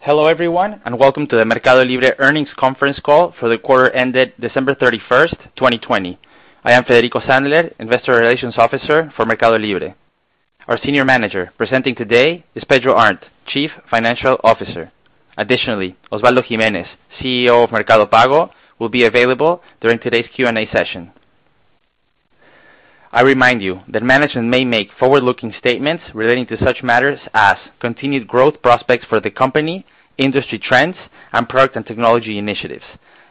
Hello everyone, and welcome to the MercadoLibre earnings conference call for the quarter ended December 31st, 2020. I am Federico Sandler, Investor Relations Officer for MercadoLibre. Our senior manager presenting today is Pedro Arnt, Chief Financial Officer. Additionally, Osvaldo Gimenez, CEO of Mercado Pago, will be available during today's Q&A session. I remind you that management may make forward-looking statements relating to such matters as continued growth prospects for the company, industry trends, and product and technology initiatives.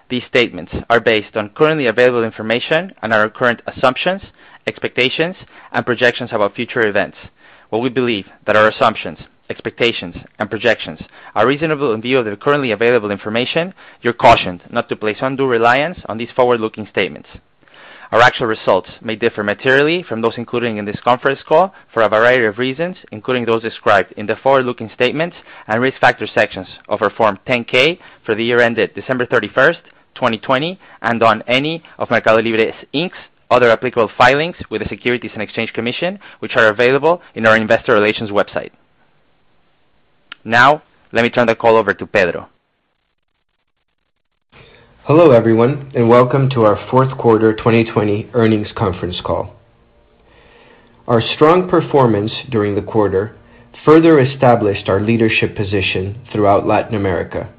These statements are based on currently available information and are our current assumptions, expectations, and projections about future events. While we believe that our assumptions, expectations, and projections are reasonable in view of the currently available information, you are cautioned not to place undue reliance on these forward-looking statements. Our actual results may differ materially from those included in this conference call for a variety of reasons, including those described in the forward-looking statements and risk factor sections of our Form 10-K for the year ended December 31st, 2020, and on any of MercadoLibre, Inc.'s other applicable filings with the Securities and Exchange Commission, which are available on our investor relations website. Let me turn the call over to Pedro. Hello, everyone, and welcome to our fourth quarter 2020 earnings conference call. Our strong performance during the quarter further established our leadership position throughout Latin America,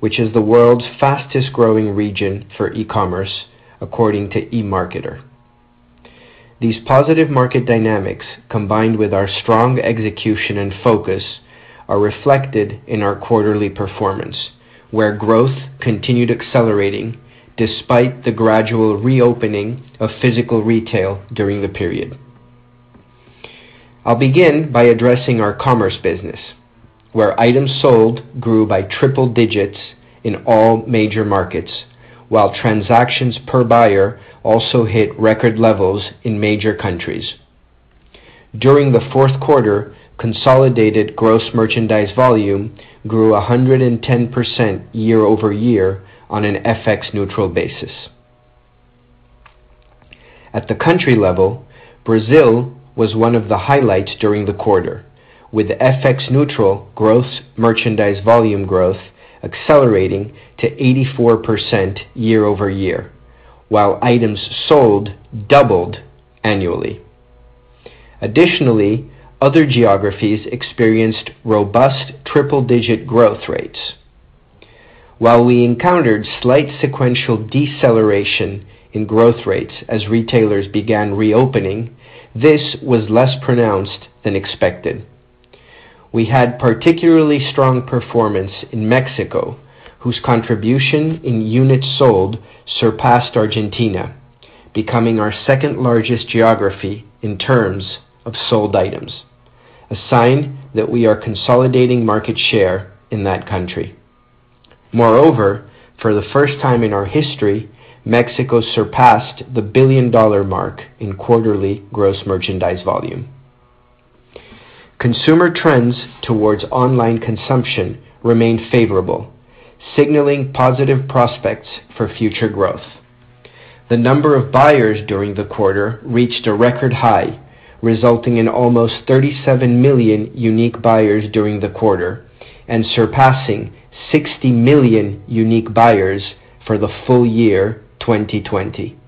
which is the world's fastest-growing region for e-commerce, according to eMarketer. These positive market dynamics, combined with our strong execution and focus, are reflected in our quarterly performance, where growth continued accelerating despite the gradual reopening of physical retail during the period. I'll begin by addressing our commerce business, where items sold grew by triple digits in all major markets, while transactions per buyer also hit record levels in major countries. During the fourth quarter, consolidated gross merchandise volume grew 110% year-over-year on an FX neutral basis. At the country level, Brazil was one of the highlights during the quarter, with FX neutral gross merchandise volume growth accelerating to 84% year-over-year, while items sold doubled annually. Additionally, other geographies experienced robust triple-digit growth rates. While we encountered slight sequential deceleration in growth rates as retailers began reopening, this was less pronounced than expected. We had particularly strong performance in Mexico, whose contribution in units sold surpassed Argentina, becoming our second-largest geography in terms of sold items, a sign that we are consolidating market share in that country. Moreover, for the first time in our history, Mexico surpassed the $1 billion mark in quarterly gross merchandise volume. Consumer trends towards online consumption remained favorable, signaling positive prospects for future growth. The number of buyers during the quarter reached a record high, resulting in almost 37 million unique buyers during the quarter and surpassing 60 million unique buyers for the full year 2020.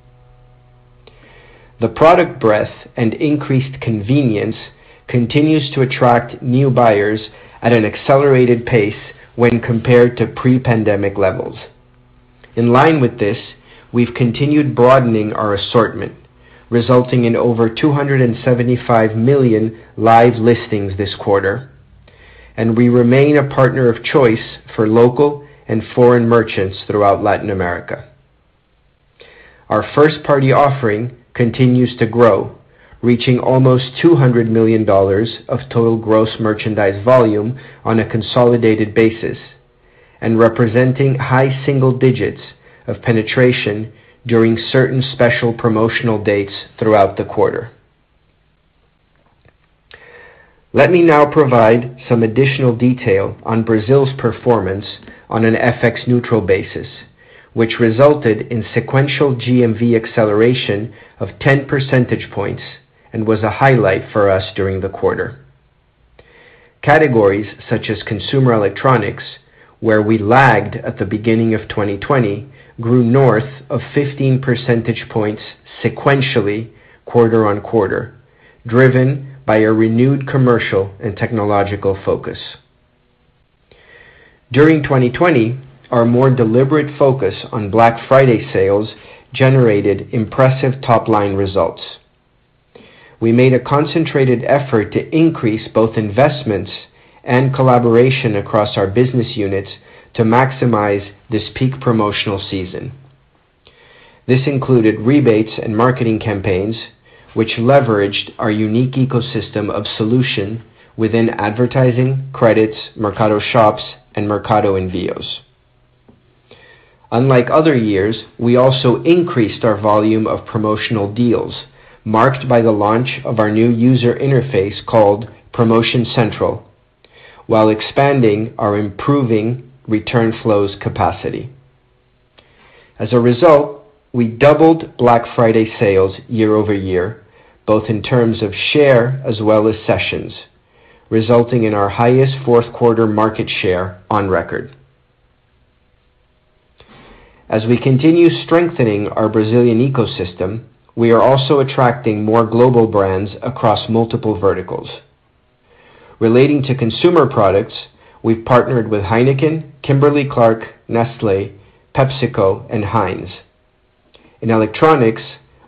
The product breadth and increased convenience continues to attract new buyers at an accelerated pace when compared to pre-pandemic levels. In line with this, we've continued broadening our assortment, resulting in over 275 million live listings this quarter, and we remain a partner of choice for local and foreign merchants throughout Latin America. Our first-party offering continues to grow, reaching almost $200 million of total gross merchandise volume on a consolidated basis and representing high single digits of penetration during certain special promotional dates throughout the quarter. Let me now provide some additional detail on Brazil's performance on an FX neutral basis, which resulted in sequential GMV acceleration of 10 percentage points and was a highlight for us during the quarter. Categories such as consumer electronics, where we lagged at the beginning of 2020, grew north of 15 percentage points sequentially quarter-on-quarter, driven by a renewed commercial and technological focus. During 2020, our more deliberate focus on Black Friday sales generated impressive top-line results. We made a concentrated effort to increase both investments and collaboration across our business units to maximize this peak promotional season. This included rebates and marketing campaigns, which leveraged our unique ecosystem of solutions within advertising, credits, Mercado Shops, and Mercado Envios. Unlike other years, we also increased our volume of promotional deals, marked by the launch of our new user interface called Promotion Central, while expanding our improving return flows capacity. As a result, we doubled Black Friday sales year-over-year, both in terms of share as well as sessions, resulting in our highest fourth quarter market share on record. As we continue strengthening our Brazilian ecosystem, we are also attracting more global brands across multiple verticals. Relating to consumer products, we've partnered with Heineken, Kimberly-Clark, Nestlé, PepsiCo, and Heinz. In electronics,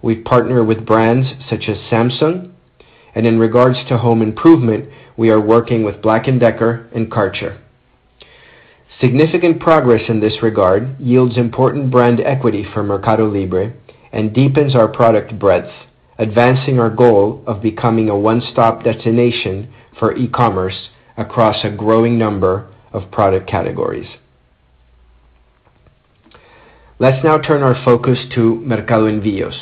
we partner with brands such as Samsung, and in regards to home improvement, we are working with Black & Decker and Kärcher. Significant progress in this regard yields important brand equity for MercadoLibre and deepens our product breadth, advancing our goal of becoming a one-stop destination for e-commerce across a growing number of product categories. Let's now turn our focus to Mercado Envios,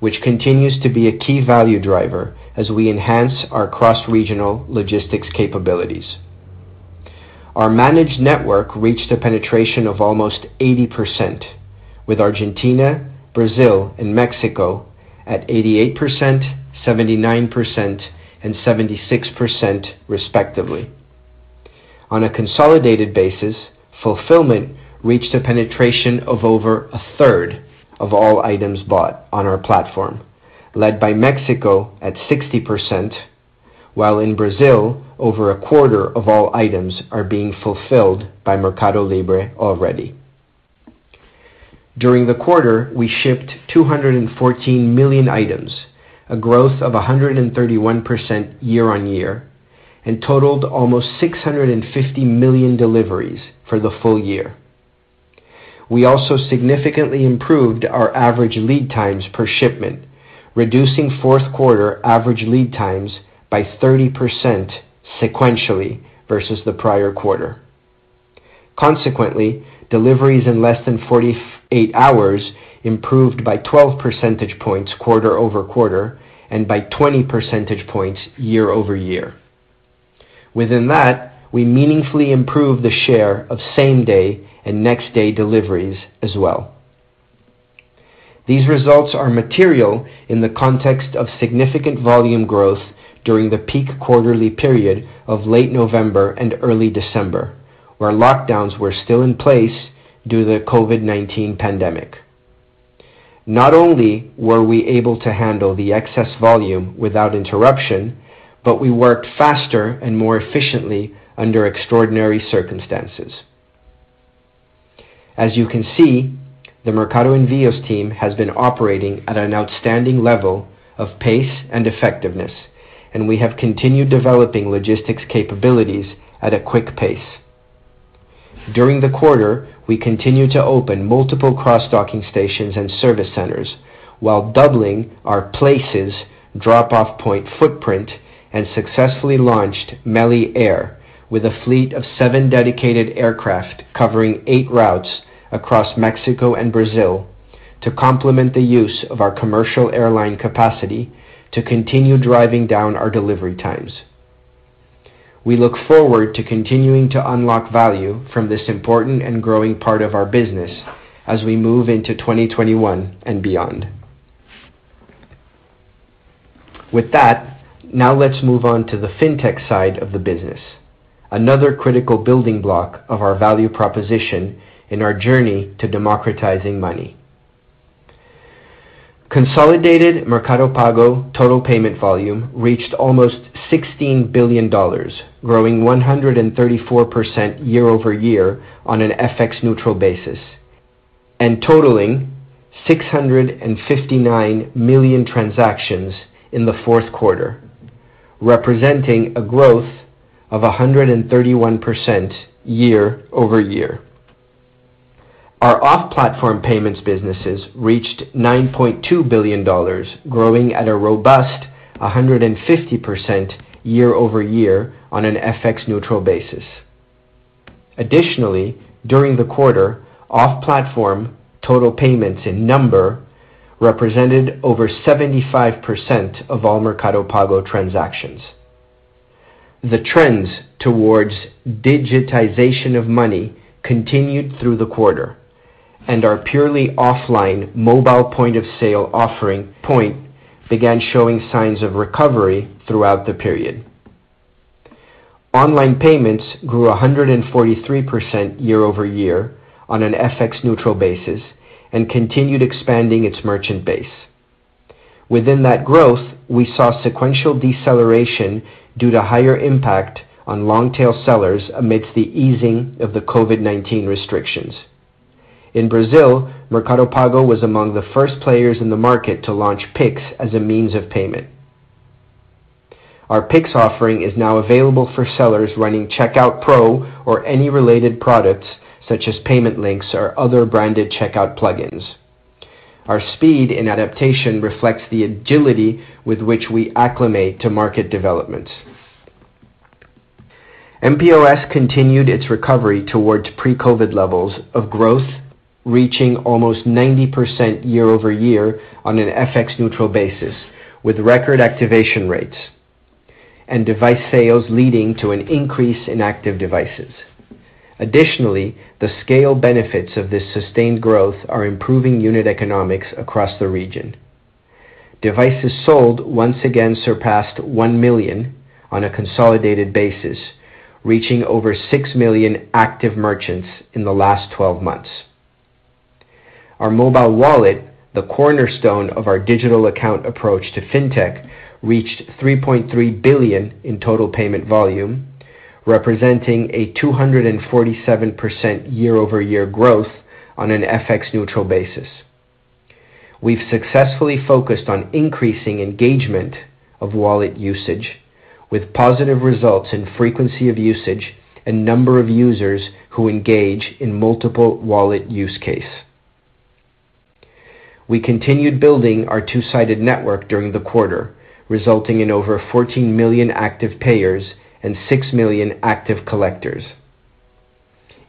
which continues to be a key value driver as we enhance our cross-regional logistics capabilities. Our managed network reached a penetration of almost 80%, with Argentina, Brazil, and Mexico at 88%, 79%, and 76% respectively. On a consolidated basis, fulfillment reached a penetration of over a third of all items bought on our platform, led by Mexico at 60%, while in Brazil over a quarter of all items are being fulfilled by MercadoLibre already. During the quarter, we shipped 214 million items, a growth of 131% year-over-year, and totaled almost 650 million deliveries for the full year. We also significantly improved our average lead times per shipment, reducing fourth quarter average lead times by 30% sequentially versus the prior quarter. Consequently, deliveries in less than 48 hours improved by 12 percentage points quarter-over-quarter and by 20 percentage points year-over-year. Within that, we meaningfully improved the share of same-day and next-day deliveries as well. These results are material in the context of significant volume growth during the peak quarterly period of late November and early December, where lockdowns were still in place due to the COVID-19 pandemic. Not only were we able to handle the excess volume without interruption, but we worked faster and more efficiently under extraordinary circumstances. As you can see, the Mercado Envios team has been operating at an outstanding level of pace and effectiveness. We have continued developing logistics capabilities at a quick pace. During the quarter, we continued to open multiple cross-docking stations and service centers while doubling our Places drop-off point footprint and successfully launched Meli Air with a fleet of seven dedicated aircraft covering eight routes across Mexico and Brazil to complement the use of our commercial airline capacity to continue driving down our delivery times. We look forward to continuing to unlock value from this important and growing part of our business as we move into 2021 and beyond. With that, now let's move on to the fintech side of the business, another critical building block of our value proposition in our journey to democratizing money. Consolidated Mercado Pago total payment volume reached almost $16 billion, growing 134% year-over-year on an FX neutral basis, and totaling 659 million transactions in the fourth quarter, representing a growth of 131% year-over-year. Our off-platform payments businesses reached $9.2 billion, growing at a robust 150% year-over-year on an FX neutral basis. Additionally, during the quarter, off-platform total payments in number represented over 75% of all Mercado Pago transactions. The trends towards digitization of money continued through the quarter and our purely offline mobile point-of-sale offering Point began showing signs of recovery throughout the period. Online payments grew 143% year-over-year on an FX neutral basis and continued expanding its merchant base. Within that growth, we saw sequential deceleration due to higher impact on long-tail sellers amidst the easing of the COVID-19 restrictions. In Brazil, Mercado Pago was among the first players in the market to launch Pix as a means of payment. Our Pix offering is now available for sellers running Checkout Pro or any related products such as payment links or other branded checkout plugins. Our speed and adaptation reflects the agility with which we acclimate to market developments. mPOS continued its recovery towards pre-COVID-19 levels of growth, reaching almost 90% year-over-year on an FX neutral basis with record activation rates. Device sales leading to an increase in active devices. Additionally, the scale benefits of this sustained growth are improving unit economics across the region. Devices sold once again surpassed 1 million on a consolidated basis, reaching over 6 million active merchants in the last 12 months. Our mobile wallet, the cornerstone of our digital account approach to fintech, reached $3.3 billion in total payment volume, representing a 247% year-over-year growth on an FX neutral basis. We've successfully focused on increasing engagement of wallet usage, with positive results in frequency of usage and number of users who engage in multiple wallet use case. We continued building our two-sided network during the quarter, resulting in over 14 million active payers and six million active collectors.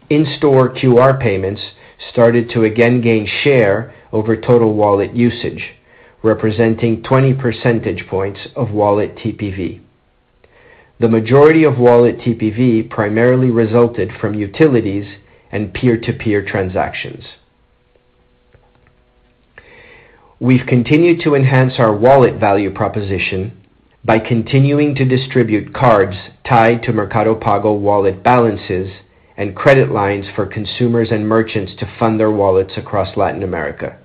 In-store QR payments started to again gain share over total wallet usage, representing 20 percentage points of wallet TPV. The majority of wallet TPV primarily resulted from utilities and peer-to-peer transactions. We've continued to enhance our wallet value proposition by continuing to distribute cards tied to Mercado Pago wallet balances and credit lines for consumers and merchants to fund their wallets across Latin America.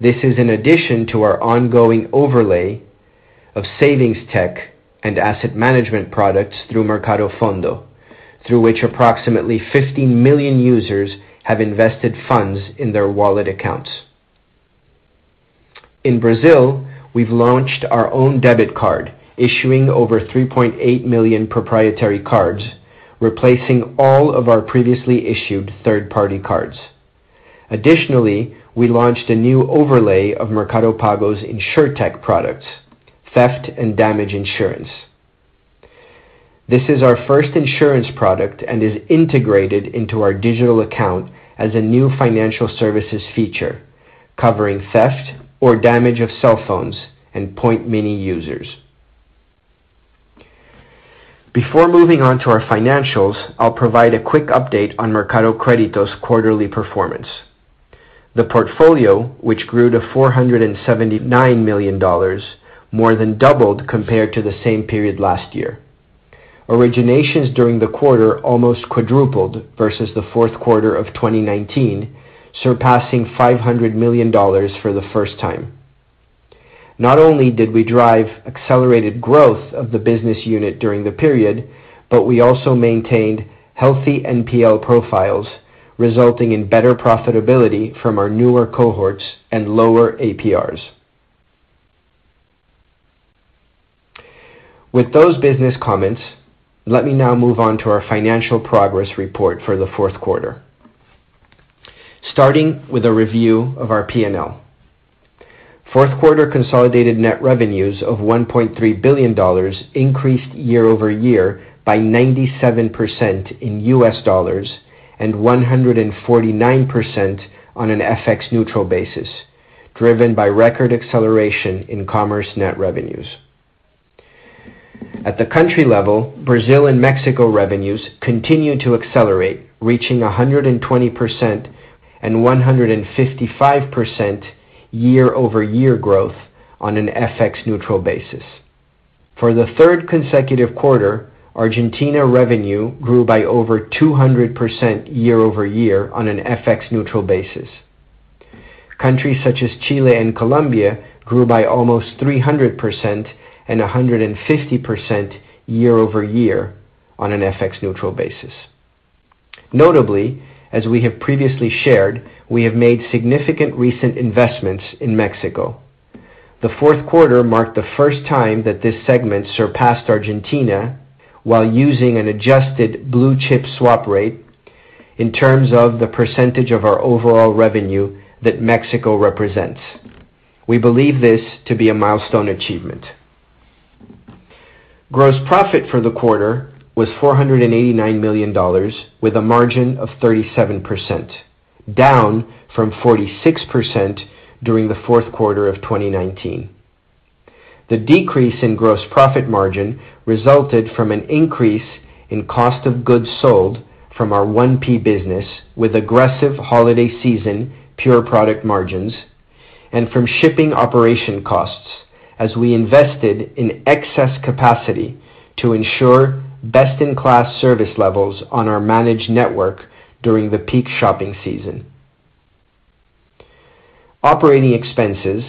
This is in addition to our ongoing overlay of savings tech and asset management products through Mercado Fondo, through which approximately 50 million users have invested funds in their wallet accounts. In Brazil, we've launched our own debit card, issuing over 3.8 million proprietary cards, replacing all of our previously issued third-party cards. Additionally, we launched a new overlay of Mercado Pago's Insurtech products, theft and damage insurance. This is our first insurance product and is integrated into our digital account as a new financial services feature, covering theft or damage of cell phones and Point Mini users. Before moving on to our financials, I'll provide a quick update on Mercado Crédito's quarterly performance. The portfolio, which grew to $479 million, more than doubled compared to the same period last year. Originations during the quarter almost quadrupled versus the fourth quarter of 2019, surpassing $500 million for the first time. Not only did we drive accelerated growth of the business unit during the period, but we also maintained healthy NPL profiles, resulting in better profitability from our newer cohorts and lower APRs. With those business comments, let me now move on to our financial progress report for the fourth quarter. Starting with a review of our P&L. Fourth quarter consolidated net revenues of $1.3 billion increased year-over-year by 97% in U.S. dollars and 149% on an FX neutral basis, driven by record acceleration in commerce net revenues. At the country level, Brazil and Mexico revenues continued to accelerate, reaching 120% and 155% year-over-year growth on an FX neutral basis. For the third consecutive quarter, Argentina revenue grew by over 200% year-over-year on an FX neutral basis. Countries such as Chile and Colombia grew by almost 300% and 150% year-over-year on an FX neutral basis. Notably, as we have previously shared, we have made significant recent investments in Mexico. The fourth quarter marked the first time that this segment surpassed Argentina while using an adjusted blue chip swap rate in terms of the percentage of our overall revenue that Mexico represents. We believe this to be a milestone achievement. Gross profit for the quarter was $489 million, with a margin of 37%, down from 46% during the fourth quarter of 2019. The decrease in gross profit margin resulted from an increase in cost of goods sold from our 1P business, with aggressive holiday season pure product margins, and from shipping operation costs as we invested in excess capacity to ensure best-in-class service levels on our managed network during the peak shopping season. Operating expenses,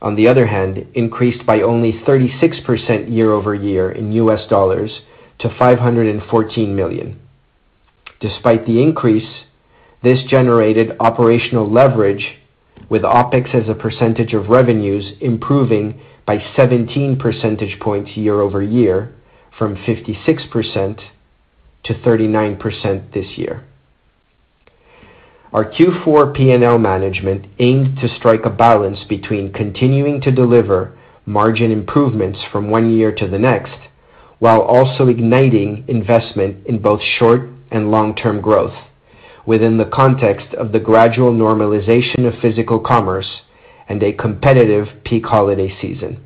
on the other hand, increased by only 36% year-over-year in U.S. dollars to $514 million. Despite the increase, this generated operational leverage with OpEx as a percentage of revenues improving by 17 percentage points year-over-year from 56%-39% this year. Our Q4 P&L management aimed to strike a balance between continuing to deliver margin improvements from one year to the next, while also igniting investment in both short and long-term growth. Within the context of the gradual normalization of physical commerce and a competitive peak holiday season.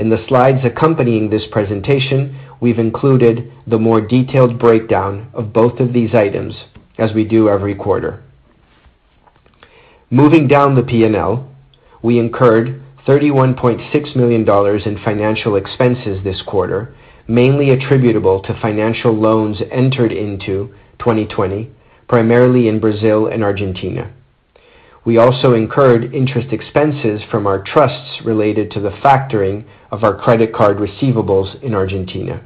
In the slides accompanying this presentation, we've included the more detailed breakdown of both of these items, as we do every quarter. Moving down the P&L, we incurred $31.6 million in financial expenses this quarter, mainly attributable to financial loans entered into 2020, primarily in Brazil and Argentina. We also incurred interest expenses from our trusts related to the factoring of our credit card receivables in Argentina.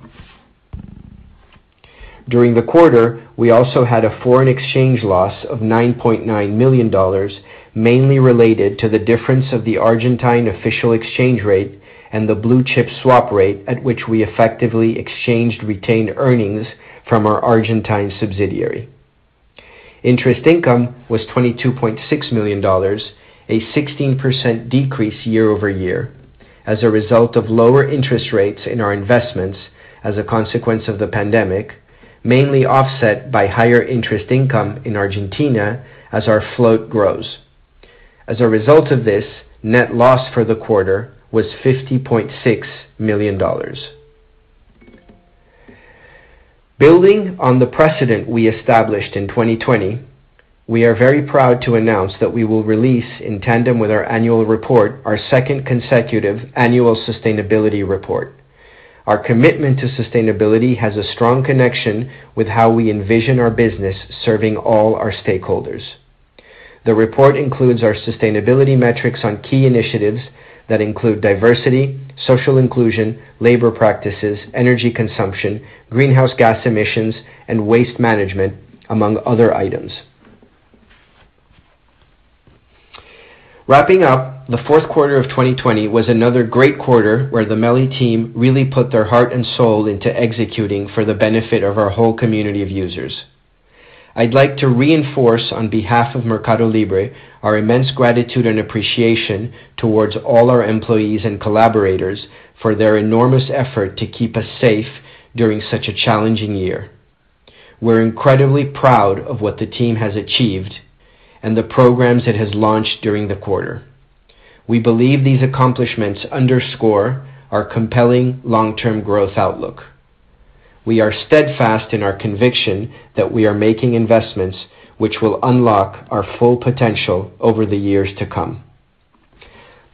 During the quarter, we also had a foreign exchange loss of $9.9 million, mainly related to the difference of the Argentine official exchange rate and the blue-chip swap rate at which we effectively exchanged retained earnings from our Argentine subsidiary. Interest income was $22.6 million, a 16% decrease year-over-year, as a result of lower interest rates in our investments as a consequence of the pandemic, mainly offset by higher interest income in Argentina as our float grows. As a result of this, net loss for the quarter was $50.6 million. Building on the precedent we established in 2020, we are very proud to announce that we will release in tandem with our annual report, our second consecutive annual sustainability report. Our commitment to sustainability has a strong connection with how we envision our business serving all our stakeholders. The report includes our sustainability metrics on key initiatives that include diversity, social inclusion, labor practices, energy consumption, greenhouse gas emissions, and waste management, among other items. Wrapping up the fourth quarter of 2020 was another great quarter where the MELI team really put their heart and soul into executing for the benefit of our whole community of users. I'd like to reinforce on behalf of MercadoLibre, our immense gratitude and appreciation towards all our employees and collaborators for their enormous effort to keep us safe during such a challenging year. We're incredibly proud of what the team has achieved and the programs it has launched during the quarter. We believe these accomplishments underscore our compelling long-term growth outlook. We are steadfast in our conviction that we are making investments which will unlock our full potential over the years to come.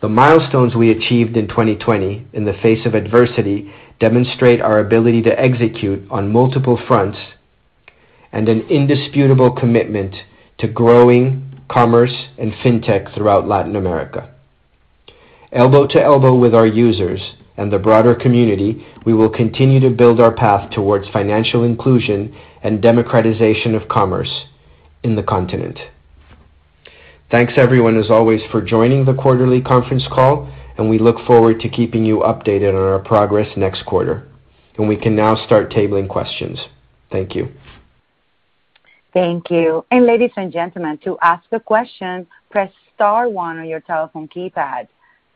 The milestones we achieved in 2020 in the face of adversity demonstrate our ability to execute on multiple fronts and an indisputable commitment to growing commerce and fintech throughout Latin America. Elbow to elbow with our users and the broader community, we will continue to build our path towards financial inclusion and democratization of commerce in the continent. Thanks everyone, as always, for joining the quarterly conference call, and we look forward to keeping you updated on our progress next quarter. We can now start tabling questions. Thank you. Thank you. Ladies and gentlemen, to ask a question, press star one on your telephone keypad.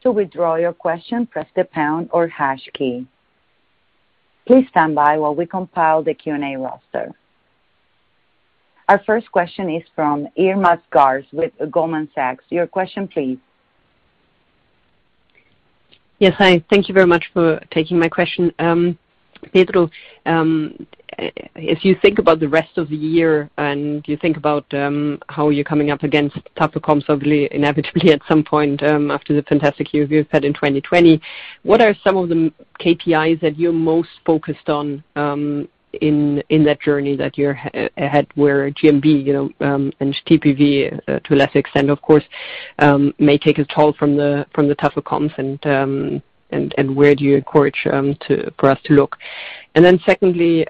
To withdraw your question, press the pound or hash key. Please stand by while we compile the Q&A roster. Our first question is from Irma Sgarz with Goldman Sachs. Your question please. Yes. Hi. Thank you very much for taking my question. Pedro, if you think about the rest of the year and you think about how you're coming up against tougher comps inevitably at some point after the fantastic year you've had in 2020, what are some of the KPIs that you're most focused on in that journey that you're ahead, where GMV and TPV to a less extent, of course, may take a toll from the tougher comps, and where do you encourage for us to look? Secondly,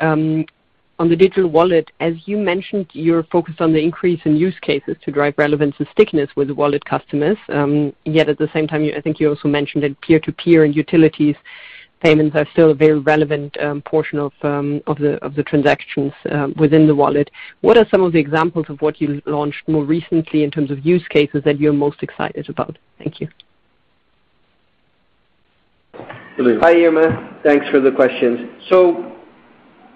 on the digital wallet, as you mentioned, you're focused on the increase in use cases to drive relevance and stickiness with the wallet customers. At the same time, I think you also mentioned that peer-to-peer and utilities payments are still a very relevant portion of the transactions within the wallet. What are some of the examples of what you launched more recently in terms of use cases that you're most excited about? Thank you. Hi, Irma. Thanks for the questions.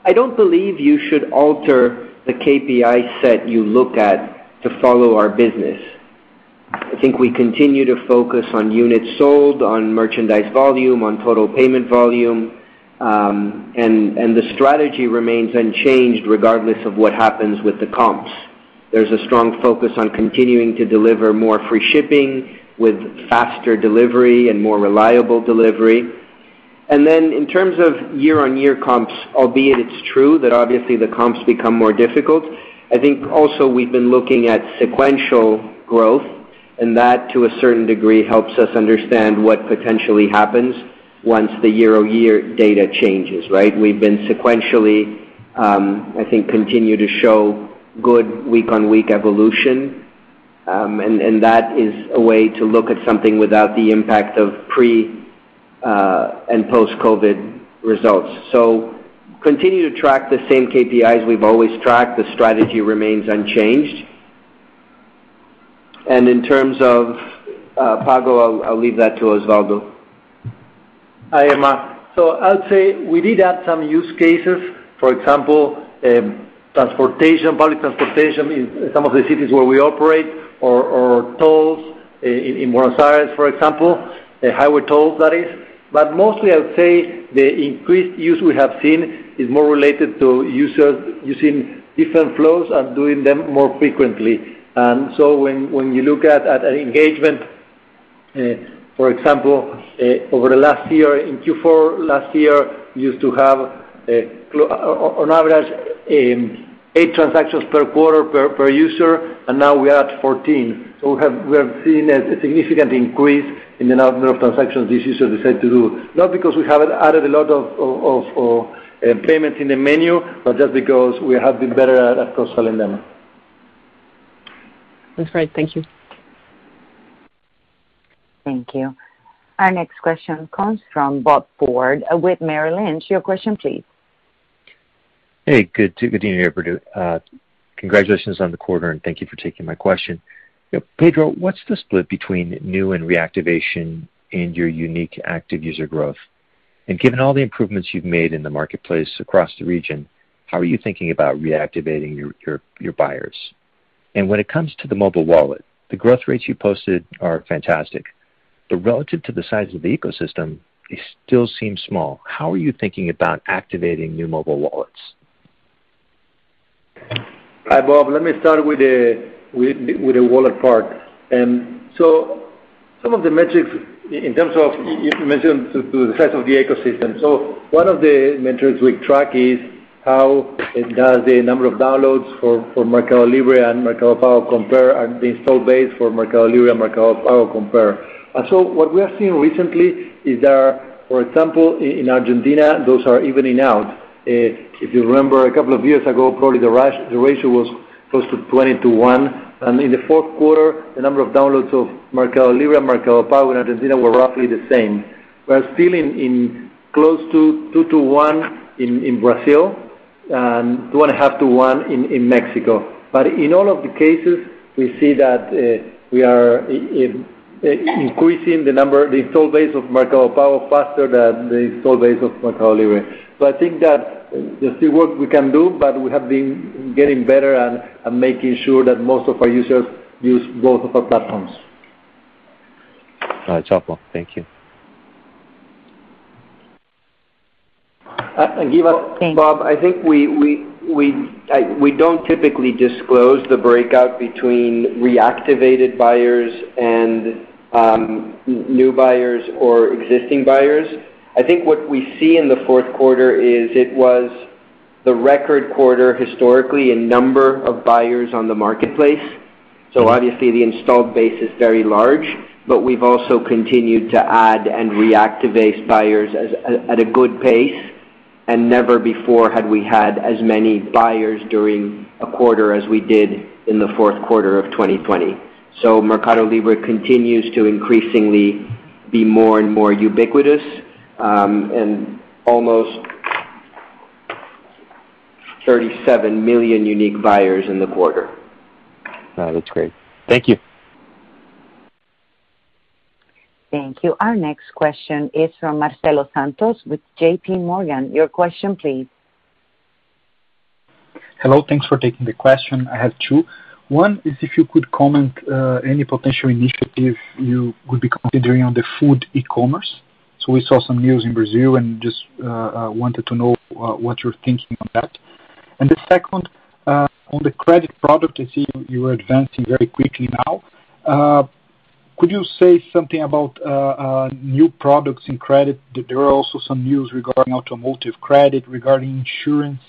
I don't believe you should alter the KPI set you look at to follow our business. I think we continue to focus on units sold, on merchandise volume, on total payment volume. The strategy remains unchanged regardless of what happens with the comps. There's a strong focus on continuing to deliver more free shipping with faster delivery and more reliable delivery. In terms of year-on-year comps, albeit it's true that obviously the comps become more difficult, I think also we've been looking at sequential growth, and that to a certain degree helps us understand what potentially happens once the year-on-year data changes, right? We've been sequentially, I think, continue to show good week-on-week evolution. That is a way to look at something without the impact of pre and post-COVID results. Continue to track the same KPIs we've always tracked. The strategy remains unchanged. In terms of Pago, I'll leave that to Osvaldo. Hi, Irma. I'd say we did add some use cases. For example, public transportation in some of the cities where we operate or tolls in Buenos Aires, for example, the highway tolls, that is. Mostly, I would say the increased use we have seen is more related to users using different flows and doing them more frequently. When you look at engagement, for example, over the last year, in Q4 last year, we used to have on average eight transactions per quarter per user, and now we are at 14. We have seen a significant increase in the number of transactions these users decide to do, not because we have added a lot of payments in the menu, but just because we have been better at cross-selling them. That's right. Thank you. Thank you. Our next question comes from Bob Ford with Merrill Lynch. Your question please. Hey, good evening, everybody. Congratulations on the quarter, and thank you for taking my question. Pedro, what's the split between new and reactivation in your unique active user growth? Given all the improvements you've made in the marketplace across the region, how are you thinking about reactivating your buyers? When it comes to the mobile wallet, the growth rates you posted are fantastic, but relative to the size of the ecosystem, it still seems small. How are you thinking about activating new mobile wallets? Hi, Bob. Let me start with the wallet part. Some of the metrics in terms of, you mentioned the size of the ecosystem. One of the metrics we track is how it does the number of downloads for MercadoLibre and Mercado Pago compare, and the install base for MercadoLibre and Mercado Pago compare. What we have seen recently is that, for example, in Argentina, those are evening out. If you remember, a couple of years ago, probably the ratio was close to 20:1, and in the fourth quarter, the number of downloads of MercadoLibre and Mercado Pago in Argentina were roughly the same. We are still close to 2:1 in Brazil and 2.5:1 In Mexico. In all of the cases, we see that we are increasing the install base of Mercado Pago faster than the install base of MercadoLibre. I think that there's still work we can do, but we have been getting better at making sure that most of our users use both of our platforms. All right, Chopo. Thank you. Bob, I think we don't typically disclose the breakout between reactivated buyers and new buyers or existing buyers. I think what we see in the fourth quarter is it was the record quarter historically in number of buyers on the marketplace. Obviously the installed base is very large, but we've also continued to add and reactivate buyers at a good pace, and never before had we had as many buyers during a quarter as we did in the fourth quarter of 2020. MercadoLibre continues to increasingly be more and more ubiquitous, and almost 37 million unique buyers in the quarter. That's great. Thank you. Thank you. Our next question is from Marcelo Santos with JPMorgan. Your question please. Hello. Thanks for taking the question. I have two. One is if you could comment any potential initiative you would be considering on the food e-commerce. We saw some news in Brazil and just wanted to know what you're thinking on that. The second, on the credit product, I see you are advancing very quickly now. Could you say something about new products in credit? There are also some news regarding automotive credit, regarding insurance,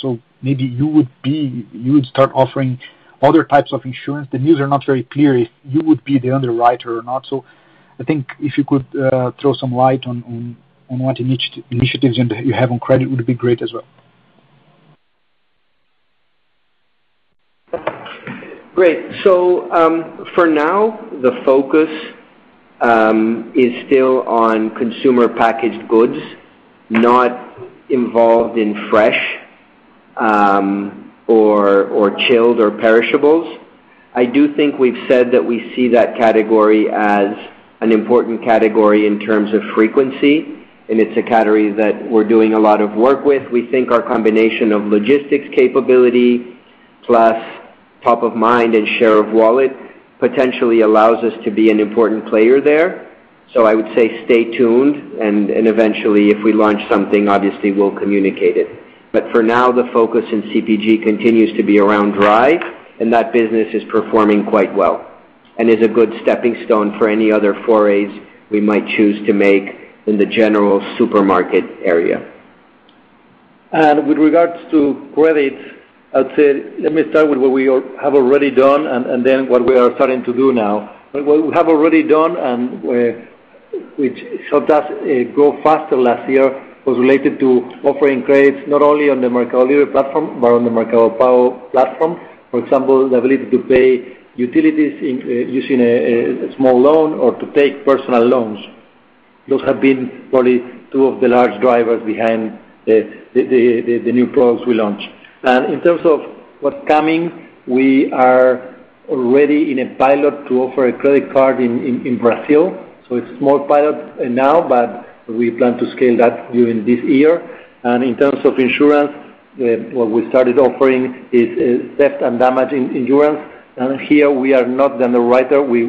so maybe you would start offering other types of insurance. The news are not very clear if you would be the underwriter or not. I think if you could throw some light on what initiatives you have on credit, would be great as well. Great. For now, the focus is still on consumer packaged goods, not involved in fresh or chilled or perishables. I do think we've said that we see that category as an important category in terms of frequency, and it's a category that we're doing a lot of work with. We think our combination of logistics capability plus top of mind and share of wallet potentially allows us to be an important player there. I would say stay tuned, and eventually, if we launch something, obviously we'll communicate it. For now, the focus in CPG continues to be around dry, and that business is performing quite well and is a good stepping stone for any other forays we might choose to make in the general supermarket area. With regards to credit, I'd say, let me start with what we have already done and then what we are starting to do now. What we have already done, which helped us grow faster last year, was related to offering credits not only on the MercadoLibre platform, but on the Mercado Pago platform. For example, the ability to pay utilities using a small loan or to take personal loans. Those have been probably two of the large drivers behind the new products we launched. In terms of what's coming, we are already in a pilot to offer a credit card in Brazil. It's a small pilot now, but we plan to scale that during this year. In terms of insurance, what we started offering is theft and damage insurance. Here we are not the underwriter. We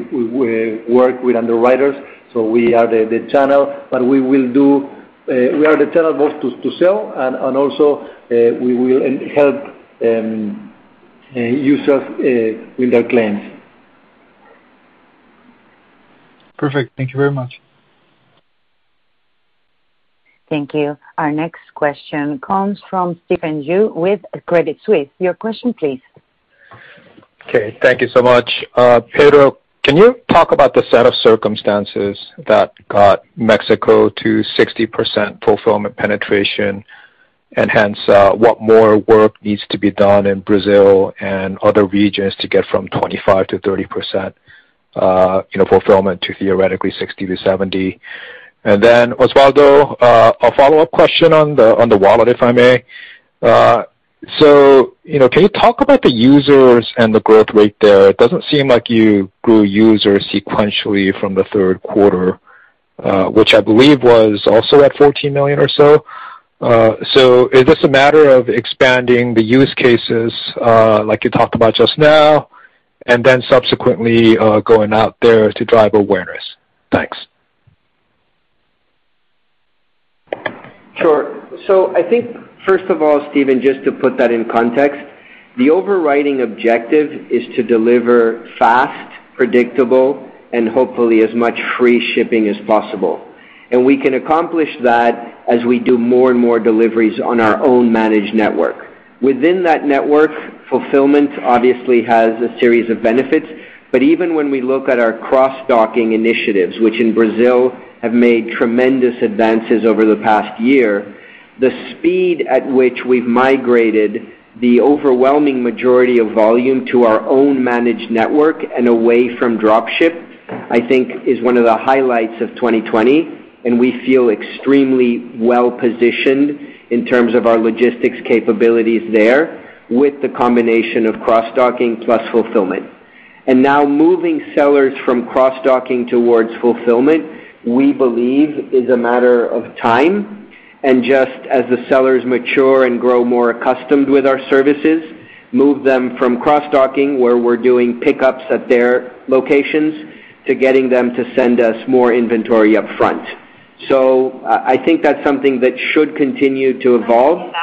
work with underwriters, so we are the channel. We are the channel both to sell and also we will help users with their claims. Perfect. Thank you very much. Thank you. Our next question comes from Stephen Ju with Credit Suisse. Your question, please. Okay, thank you so much. Pedro, can you talk about the set of circumstances that got Mexico to 60% fulfillment penetration, hence what more work needs to be done in Brazil and other regions to get from 25%-30% fulfillment to theoretically 60%-70%? Then Osvaldo, a follow-up question on the wallet, if I may. Can you talk about the users and the growth rate there? It doesn't seem like you grew users sequentially from the third quarter, which I believe was also at 14 million or so. Is this a matter of expanding the use cases, like you talked about just now, and then subsequently going out there to drive awareness? Thanks. Sure. I think, first of all, Stephen, just to put that in context, the overriding objective is to deliver fast, predictable, and hopefully as much free shipping as possible. We can accomplish that as we do more and more deliveries on our own managed network. Within that network, fulfillment obviously has a series of benefits, but even when we look at our cross-docking initiatives, which in Brazil have made tremendous advances over the past year, the speed at which we've migrated the overwhelming majority of volume to our own managed network and away from drop ship, I think is one of the highlights of 2020, and we feel extremely well-positioned in terms of our logistics capabilities there with the combination of cross-docking plus fulfillment. Now moving sellers from cross-docking towards fulfillment, we believe is a matter of time. Just as the sellers mature and grow more accustomed with our services, move them from cross-docking, where we're doing pickups at their locations, to getting them to send us more inventory up front. I think that's something that should continue to evolve.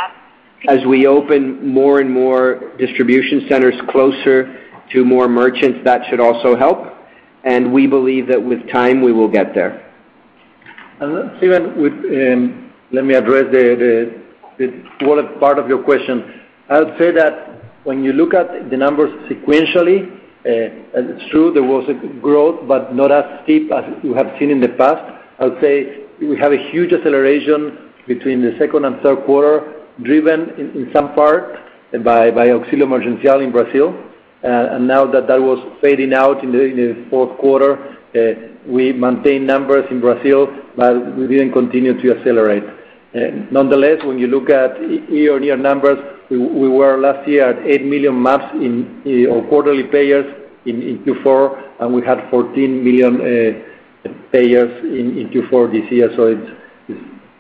As we open more and more distribution centers closer to more merchants, that should also help. We believe that with time, we will get there. Stephen, let me address the wallet part of your question. I would say that when you look at the numbers sequentially, it's true there was a growth, but not as steep as you have seen in the past. I would say we have a huge acceleration between the second and third quarter, driven in some part by Auxílio Emergencial in Brazil. Now that that was fading out in the fourth quarter, we maintained numbers in Brazil, but we didn't continue to accelerate. Nonetheless, when you look at year-on-year numbers, we were last year at 8 million MAPs or quarterly payers in Q4, and we had 14 million payers in Q4 this year.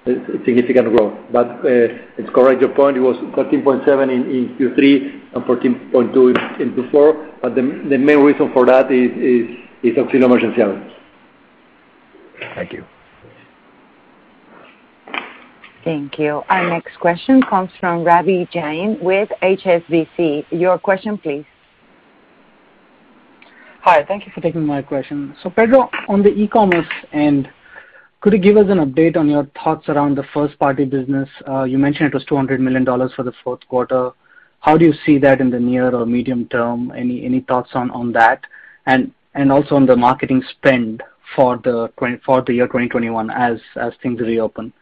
It's significant growth. To correct your point, it was 13.7 in Q3 and 14.2 in Q4. The main reason for that is Auxílio Emergencial. Thank you. Thank you. Our next question comes from Ravi Jain with HSBC. Your question, please. Hi. Thank you for taking my question. Pedro, on the e-commerce end, could you give us an update on your thoughts around the first-party business? You mentioned it was $200 million for the fourth quarter. How do you see that in the near or medium term? Any thoughts on that? Also on the marketing spend for the year 2021 as things reopen.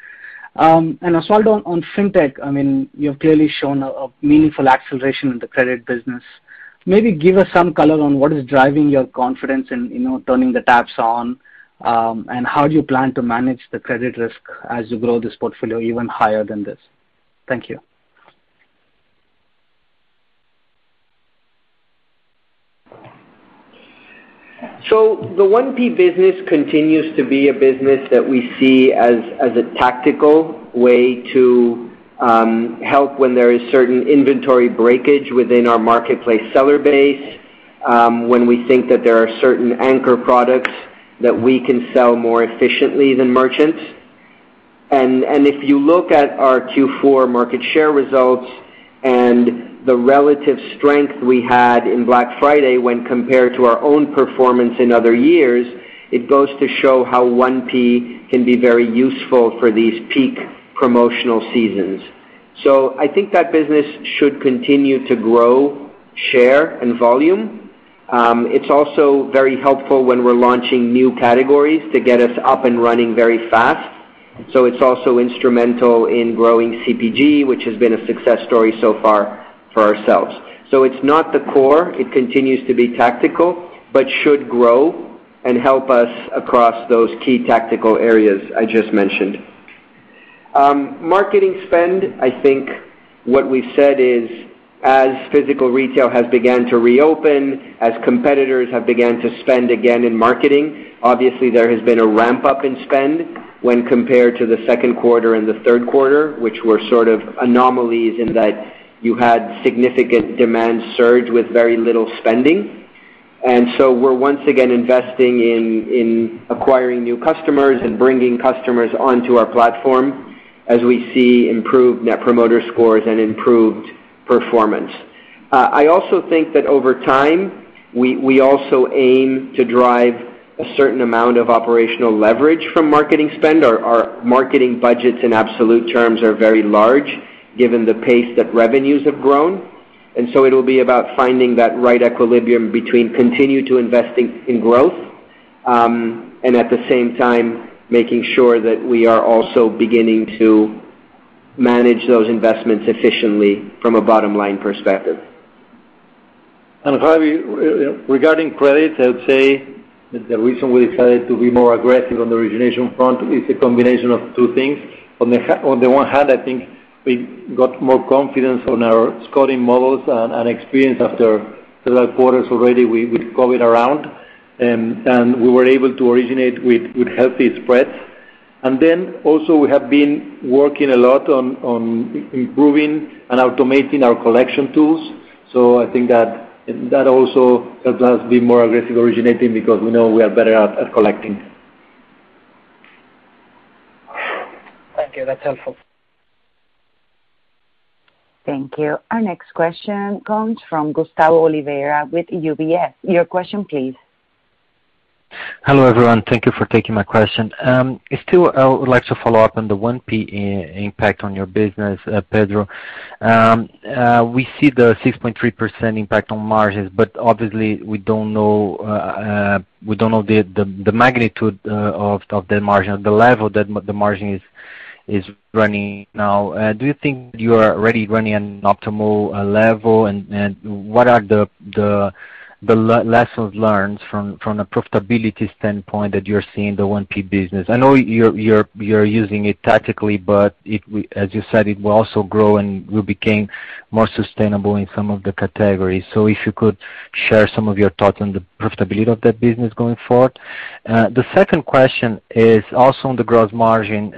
Osvaldo, on fintech, you've clearly shown a meaningful acceleration in the credit business. Maybe give us some color on what is driving your confidence in turning the taps on, and how do you plan to manage the credit risk as you grow this portfolio even higher than this? Thank you. The 1P business continues to be a business that we see as a tactical way to help when there is certain inventory breakage within our marketplace seller base, when we think that there are certain anchor products that we can sell more efficiently than merchants. If you look at our Q4 market share results and the relative strength we had in Black Friday when compared to our own performance in other years, it goes to show how 1P can be very useful for these peak promotional seasons. I think that business should continue to grow, share, and volume. It's also very helpful when we're launching new categories to get us up and running very fast. So it's also instrumental in growing CPG, which has been a success story so far for ourselves. It's not the core. It continues to be tactical, but should grow and help us across those key tactical areas I just mentioned. Marketing spend, I think what we said is as physical retail has begun to reopen, as competitors have begun to spend again in marketing, obviously there has been a ramp-up in spend when compared to the second quarter and the third quarter, which were sort of anomalies in that you had significant demand surge with very little spending. We're once again investing in acquiring new customers and bringing customers onto our platform as we see improved Net Promoter Scores and improved performance. I also think that over time, we also aim to drive a certain amount of operational leverage from marketing spend. Our marketing budgets in absolute terms are very large given the pace that revenues have grown. It'll be about finding that right equilibrium between continue to investing in growth, and at the same time, making sure that we are also beginning to manage those investments efficiently from a bottom-line perspective. Ravi, regarding credits, I would say the reason we decided to be more aggressive on the origination front is a combination of two things. On the one hand, I think we got more confidence on our scoring models and experience after several quarters already with COVID around. We were able to originate with healthy spreads. Also we have been working a lot on improving and automating our collection tools. I think that also helps us be more aggressive originating because we know we are better at collecting. Thank you. That is helpful. Thank you. Our next question comes from Gustavo Oliveira with UBS. Your question please. Hello, everyone. Thank you for taking my question. I would like to follow up on the 1P impact on your business, Pedro. We see the 6.3% impact on margins, but obviously we don't know the magnitude of the margin, the level that the margin is running now. Do you think you are already running an optimal level? What are the lessons learned from a profitability standpoint that you're seeing the 1P business? I know you're using it tactically, but as you said, it will also grow and will became more sustainable in some of the categories. If you could share some of your thoughts on the profitability of that business going forward. The second question is also on the gross margin.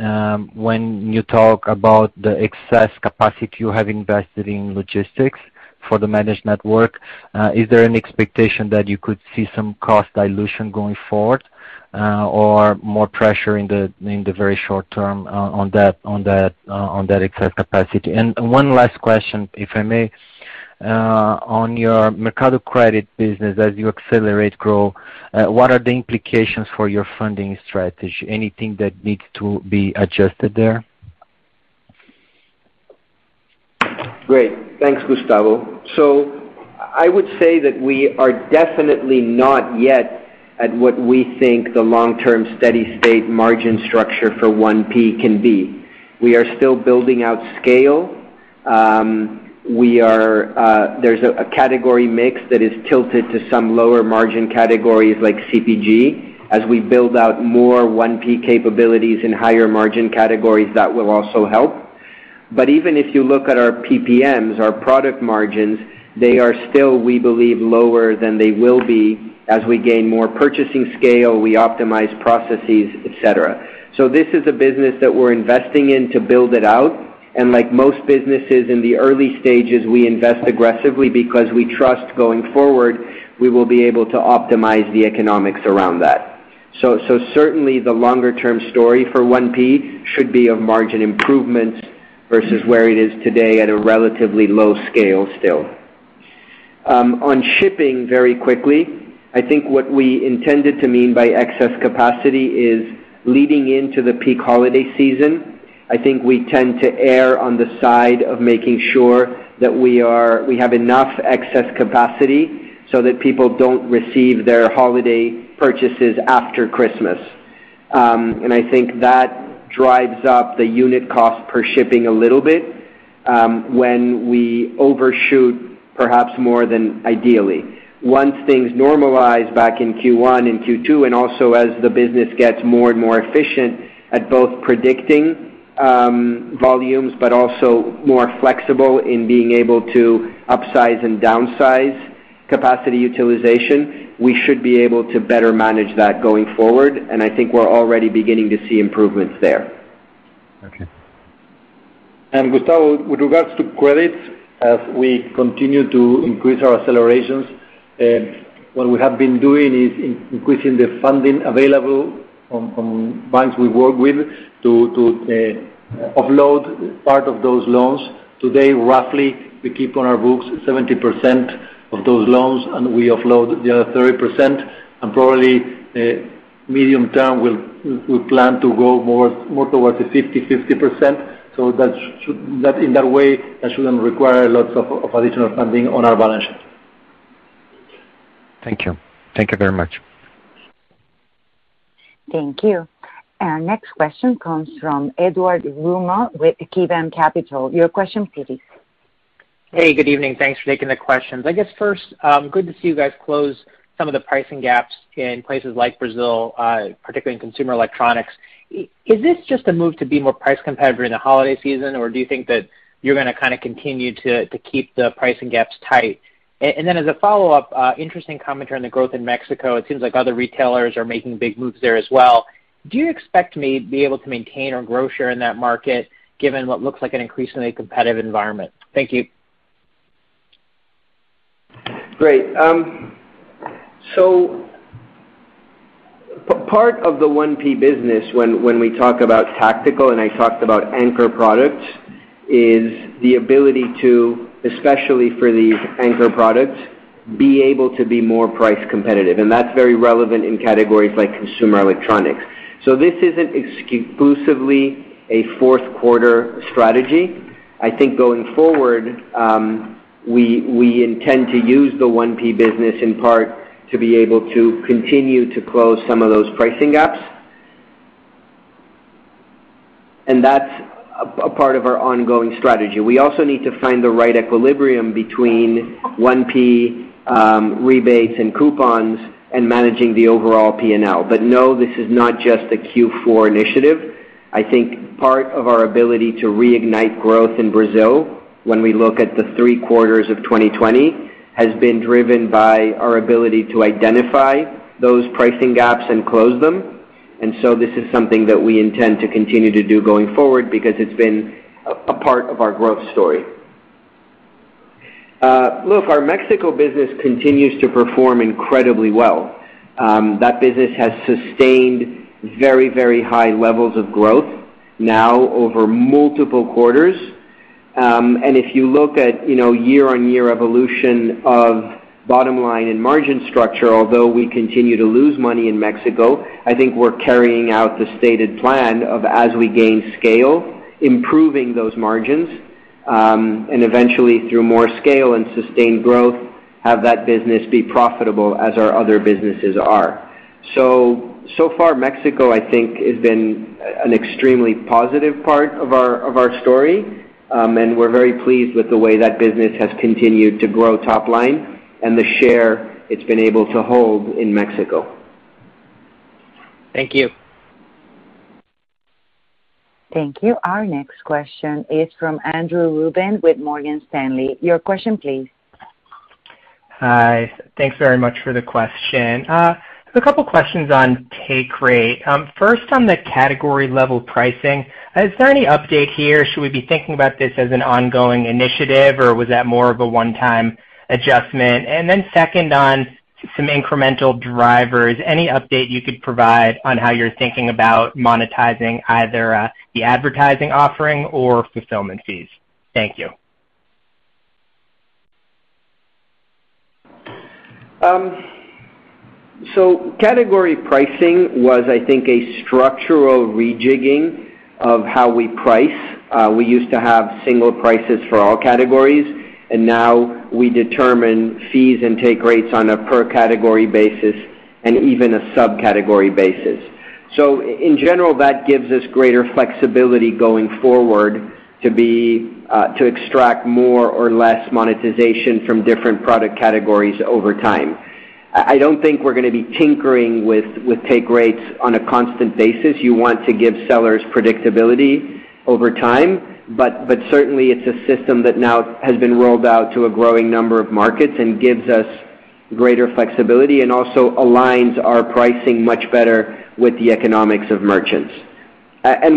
When you talk about the excess capacity you have invested in logistics for the managed network, is there an expectation that you could see some cost dilution going forward, or more pressure in the very short term on that excess capacity? One last question, if I may, on your Mercado Crédito business, as you accelerate growth, what are the implications for your funding strategy? Anything that needs to be adjusted there? Great. Thanks, Gustavo. I would say that we are definitely not yet at what we think the long-term steady state margin structure for 1P can be. We are still building out scale. There's a category mix that is tilted to some lower margin categories like CPG. As we build out more 1P capabilities in higher margin categories, that will also help. Even if you look at our PPMs, our product margins, they are still, we believe, lower than they will be as we gain more purchasing scale, we optimize processes, et cetera. This is a business that we're investing in to build it out, and like most businesses in the early stages, we invest aggressively because we trust going forward, we will be able to optimize the economics around that. Certainly the longer-term story for 1P should be of margin improvements versus where it is today at a relatively low scale still. On shipping, very quickly, I think what we intended to mean by excess capacity is leading into the peak holiday season. I think we tend to err on the side of making sure that we have enough excess capacity so that people don't receive their holiday purchases after Christmas. I think that drives up the unit cost per shipping a little bit, when we overshoot perhaps more than ideally. Once things normalize back in Q1 and Q2, and also as the business gets more and more efficient at both predicting volumes but also more flexible in being able to upsize and downsize capacity utilization, we should be able to better manage that going forward. I think we're already beginning to see improvements there. Okay. Gustavo, with regards to credits, as we continue to increase our accelerations, what we have been doing is increasing the funding available from banks we work with to offload part of those loans. Today, roughly, we keep on our books 70% of those loans, and we offload the other 30%. Probably, medium-term, we plan to go more towards the 50/50%. In that way, that shouldn't require lots of additional funding on our balance sheet. Thank you. Thank you very much. Thank you. Our next question comes from Edward Yruma with KeyBanc Capital. Your question, please. Hey, good evening. Thanks for taking the questions. I guess first, good to see you guys close some of the pricing gaps in places like Brazil, particularly in consumer electronics. Is this just a move to be more price competitive during the holiday season, or do you think that you're going to kind of continue to keep the pricing gaps tight? Then as a follow-up, interesting commentary on the growth in Mexico. It seems like other retailers are making big moves there as well. Do you expect to be able to maintain or grow share in that market given what looks like an increasingly competitive environment? Thank you. Great. Part of the 1P business when we talk about tactical, and I talked about anchor products, is the ability to, especially for these anchor products, be able to be more price competitive, and that's very relevant in categories like consumer electronics. This isn't exclusively a fourth quarter strategy. I think going forward, we intend to use the 1P business in part to be able to continue to close some of those pricing gaps. That's a part of our ongoing strategy. We also need to find the right equilibrium between 1P rebates and coupons and managing the overall P&L. No, this is not just a Q4 initiative. I think part of our ability to reignite growth in Brazil when we look at the three quarters of 2020, has been driven by our ability to identify those pricing gaps and close them. This is something that we intend to continue to do going forward because it's been a part of our growth story. Look, our Mexico business continues to perform incredibly well. That business has sustained very, very high levels of growth now over multiple quarters. If you look at year-on-year evolution of bottom line and margin structure, although we continue to lose money in Mexico, I think we're carrying out the stated plan of as we gain scale, improving those margins, and eventually through more scale and sustained growth, have that business be profitable as our other businesses are. So far, Mexico, I think, has been an extremely positive part of our story. We're very pleased with the way that business has continued to grow top line and the share it's been able to hold in Mexico. Thank you. Thank you. Our next question is from Andrew Rubin with Morgan Stanley. Your question, please. Hi. Thanks very much for the question. A couple questions on take rate. First, on the category-level pricing, is there any update here? Should we be thinking about this as an ongoing initiative, or was that more of a one-time adjustment? Then second on some incremental drivers, any update you could provide on how you're thinking about monetizing either the advertising offering or fulfillment fees? Thank you. Category pricing was, I think, a structural rejigging of how we price. We used to have single prices for all categories, and now we determine fees and take rates on a per category basis and even a subcategory basis. In general, that gives us greater flexibility going forward to extract more or less monetization from different product categories over time. I don't think we're going to be tinkering with take rates on a constant basis. You want to give sellers predictability over time. Certainly it's a system that now has been rolled out to a growing number of markets and gives us greater flexibility and also aligns our pricing much better with the economics of merchants.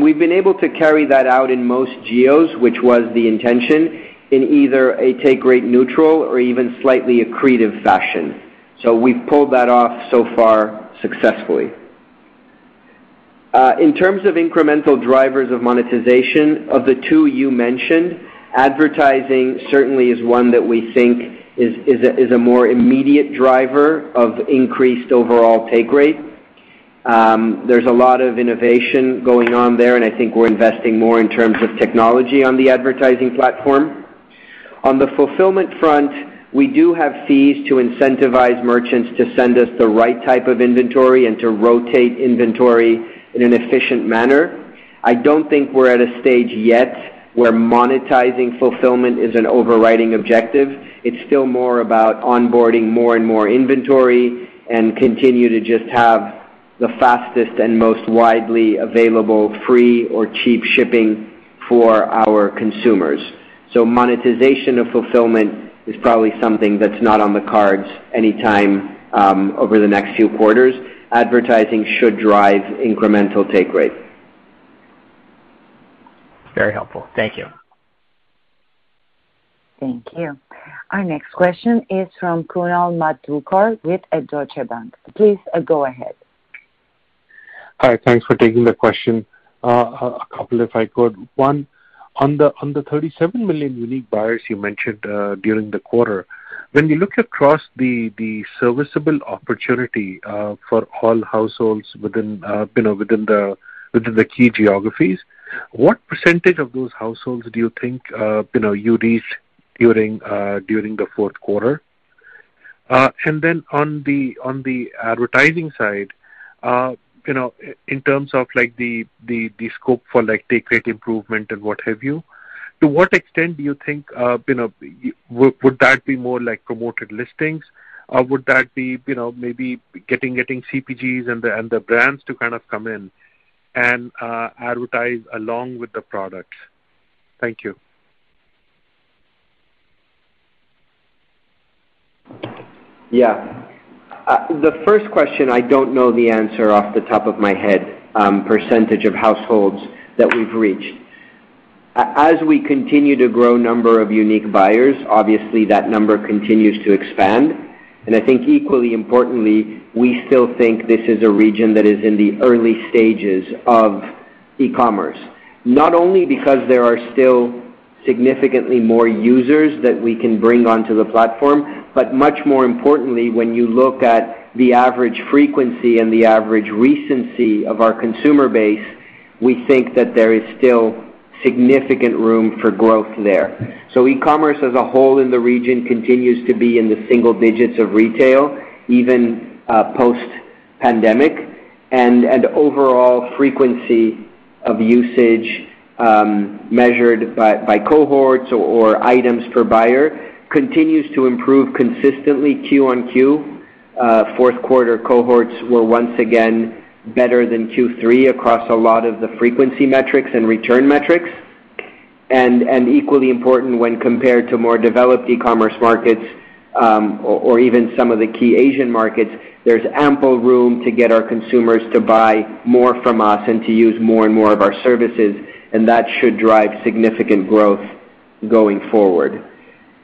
We've been able to carry that out in most geos, which was the intention, in either a take rate neutral or even slightly accretive fashion. We've pulled that off so far successfully. In terms of incremental drivers of monetization, of the two you mentioned, advertising certainly is one that we think is a more immediate driver of increased overall take rate. There's a lot of innovation going on there, and I think we're investing more in terms of technology on the advertising platform. On the fulfillment front, we do have fees to incentivize merchants to send us the right type of inventory and to rotate inventory in an efficient manner. I don't think we're at a stage yet where monetizing fulfillment is an overriding objective. It's still more about onboarding more and more inventory and continue to just have the fastest and most widely available free or cheap shipping for our consumers. Monetization of fulfillment is probably something that's not on the cards anytime over the next few quarters. Advertising should drive incremental take rate. Very helpful. Thank you. Thank you. Our next question is from Kunal Madhukar with Deutsche Bank. Please go ahead. Hi, thanks for taking the question. A couple if I could. One, on the 37 million unique buyers you mentioned during the quarter, when you look across the serviceable opportunity for all households within the key geographies? What percentage of those households do you think you reached during the fourth quarter? On the advertising side, in terms of the scope for take rate improvement and what have you, to what extent do you think, would that be more promoted listings, or would that be maybe getting CPGs and the brands to come in and advertise along with the products? Thank you. Yeah. The first question, I don't know the answer off the top of my head, percentage of households that we've reached. As we continue to grow number of unique buyers, obviously that number continues to expand, I think equally importantly, we still think this is a region that is in the early stages of e-commerce, not only because there are still significantly more users that we can bring onto the platform, but much more importantly, when you look at the average frequency and the average recency of our consumer base, we think that there is still significant room for growth there. E-commerce as a whole in the region continues to be in the single digits of retail, even post-pandemic. Overall frequency of usage, measured by cohorts or items per buyer, continues to improve consistently Q-on-Q. Fourth quarter cohorts were once again better than Q3 across a lot of the frequency metrics and return metrics. Equally important when compared to more developed e-commerce markets, or even some of the key Asian markets, there's ample room to get our consumers to buy more from us and to use more and more of our services, and that should drive significant growth going forward.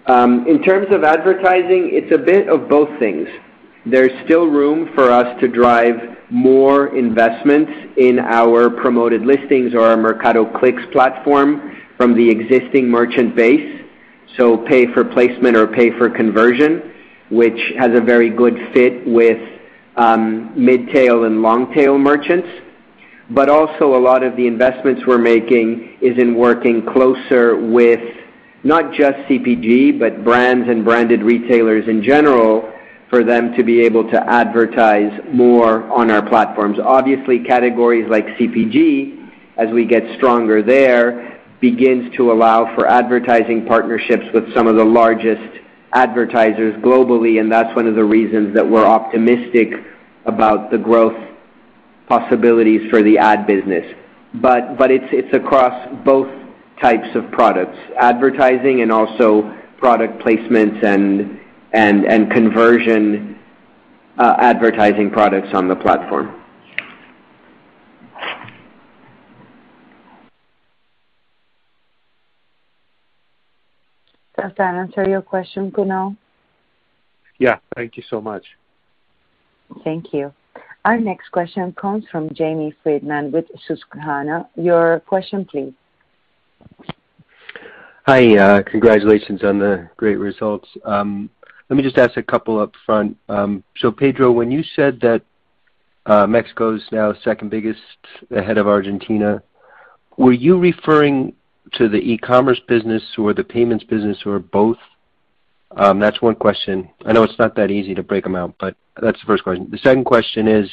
In terms of advertising, it's a bit of both things. There's still room for us to drive more investments in our promoted listings or our Mercado Clicks platform from the existing merchant base. Pay for placement or pay for conversion, which has a very good fit with mid-tail and long-tail merchants. Also a lot of the investments we're making is in working closer with not just CPG, but brands and branded retailers in general, for them to be able to advertise more on our platforms. Obviously, categories like CPG, as we get stronger there, begins to allow for advertising partnerships with some of the largest advertisers globally, and that's one of the reasons that we're optimistic about the growth possibilities for the ad business. It's across both types of products, advertising and also product placements and conversion advertising products on the platform. Does that answer your question, Kunal? Yeah. Thank you so much. Thank you. Our next question comes from Jamie Friedman with Susquehanna. Your question please. Hi. Congratulations on the great results. Let me just ask a couple upfront. Pedro, when you said that Mexico's now second biggest ahead of Argentina, were you referring to the e-commerce business or the payments business or both? That's one question. I know it's not that easy to break them out, but that's the first question. The second question is,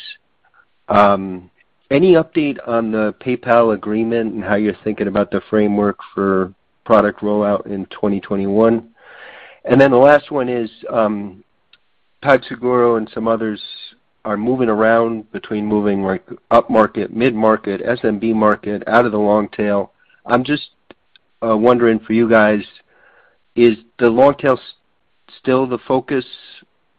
any update on the PayPal agreement and how you're thinking about the framework for product rollout in 2021? The last one is, PagSeguro and some others are moving around between moving up market, mid-market, SMB market, out of the long tail. I'm just wondering for you guys, is the long tail still the focus,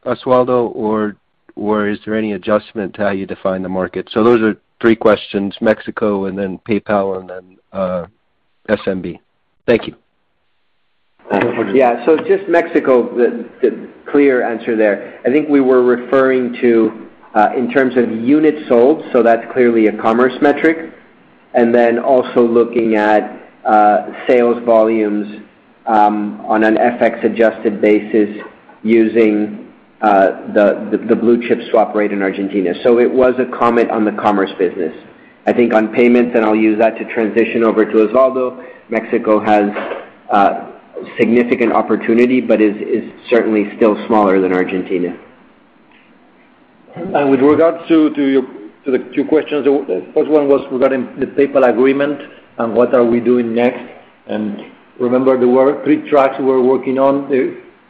Osvaldo, or is there any adjustment to how you define the market? Those are three questions, Mexico and then PayPal and then SMB. Thank you. Yeah. Just Mexico, the clear answer there. I think we were referring to, in terms of units sold, so that's clearly a commerce metric. Also looking at sales volumes, on an FX-adjusted basis using the blue chip swap rate in Argentina. It was a comment on the commerce business. I think on payments, and I'll use that to transition over to Osvaldo, Mexico has significant opportunity, but is certainly still smaller than Argentina. With regards to the two questions, the first one was regarding the PayPal agreement and what are we doing next. Remember, there were three tracks we were working on.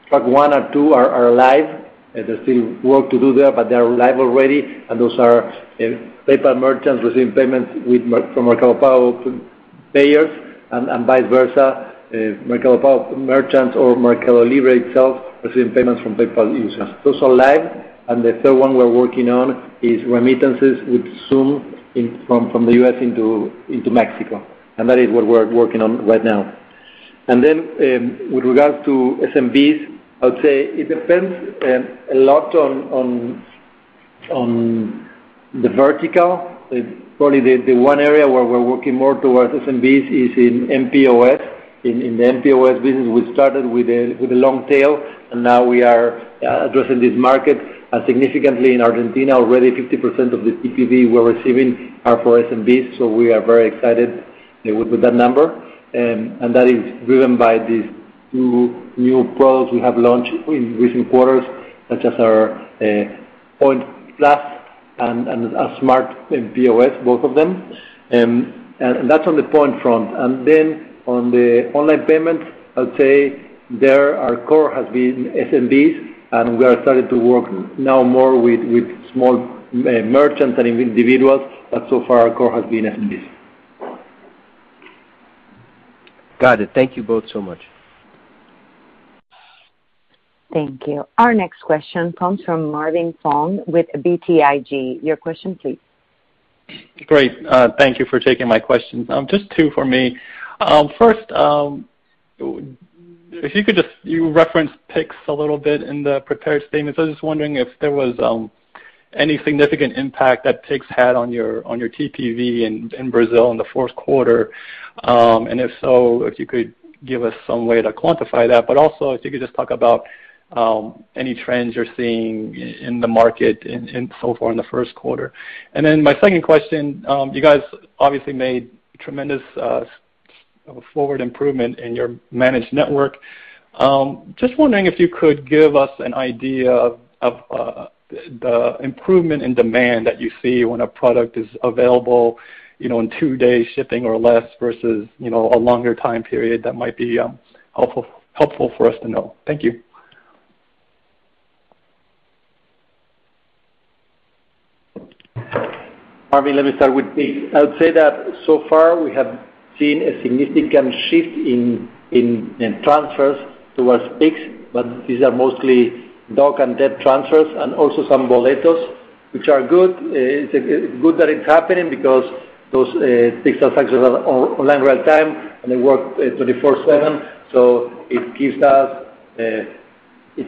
Track one and two are live. There's still work to do there, but they are live already, and those are PayPal merchants receiving payments from Mercado Pago payers, and vice versa, Mercado Pago merchants or MercadoLibre itself receiving payments from PayPal users. Those are live, and the third one we're working on is remittances with Xoom from the U.S. into Mexico. That is what we're working on right now. With regards to SMBs, I would say it depends a lot on the vertical. Probably the one area where we're working more towards SMBs is in mPOS. In the mPOS business, we started with a long tail, and now we are addressing this market. Significantly in Argentina, already 50% of the TPV we're receiving are for SMBs, so we are very excited with that number. That is driven by these two new products we have launched in recent quarters, such as our Point Plus and our Smart, mPOS both of them. That's on the point front. Then on the online payment, I'd say there our core has been SMBs, and we are starting to work now more with small merchants and individuals, but so far our core has been SMBs. Got it. Thank you both so much. Thank you. Our next question comes from Marvin Fong with BTIG. Your question please. Great. Thank you for taking my question. Just two for me. You referenced Pix a little bit in the prepared statement. I was just wondering if there was any significant impact that Pix had on your TPV in Brazil in the fourth quarter. If so, if you could give us some way to quantify that. Also, if you could just talk about any trends you're seeing in the market so far in the first quarter. My second question, you guys obviously made tremendous forward improvement in your managed network. Just wondering if you could give us an idea of the improvement in demand that you see when a product is available in two-day shipping or less versus a longer time period. That might be helpful for us to know. Thank you. Marvin, let me start with Pix. I would say that so far we have seen a significant shift in transfers towards Pix, but these are mostly DOC and TED transfers and also some Boletos, which are good. It's good that it's happening because those Pix transactions are online real time, and they work 24/7, so it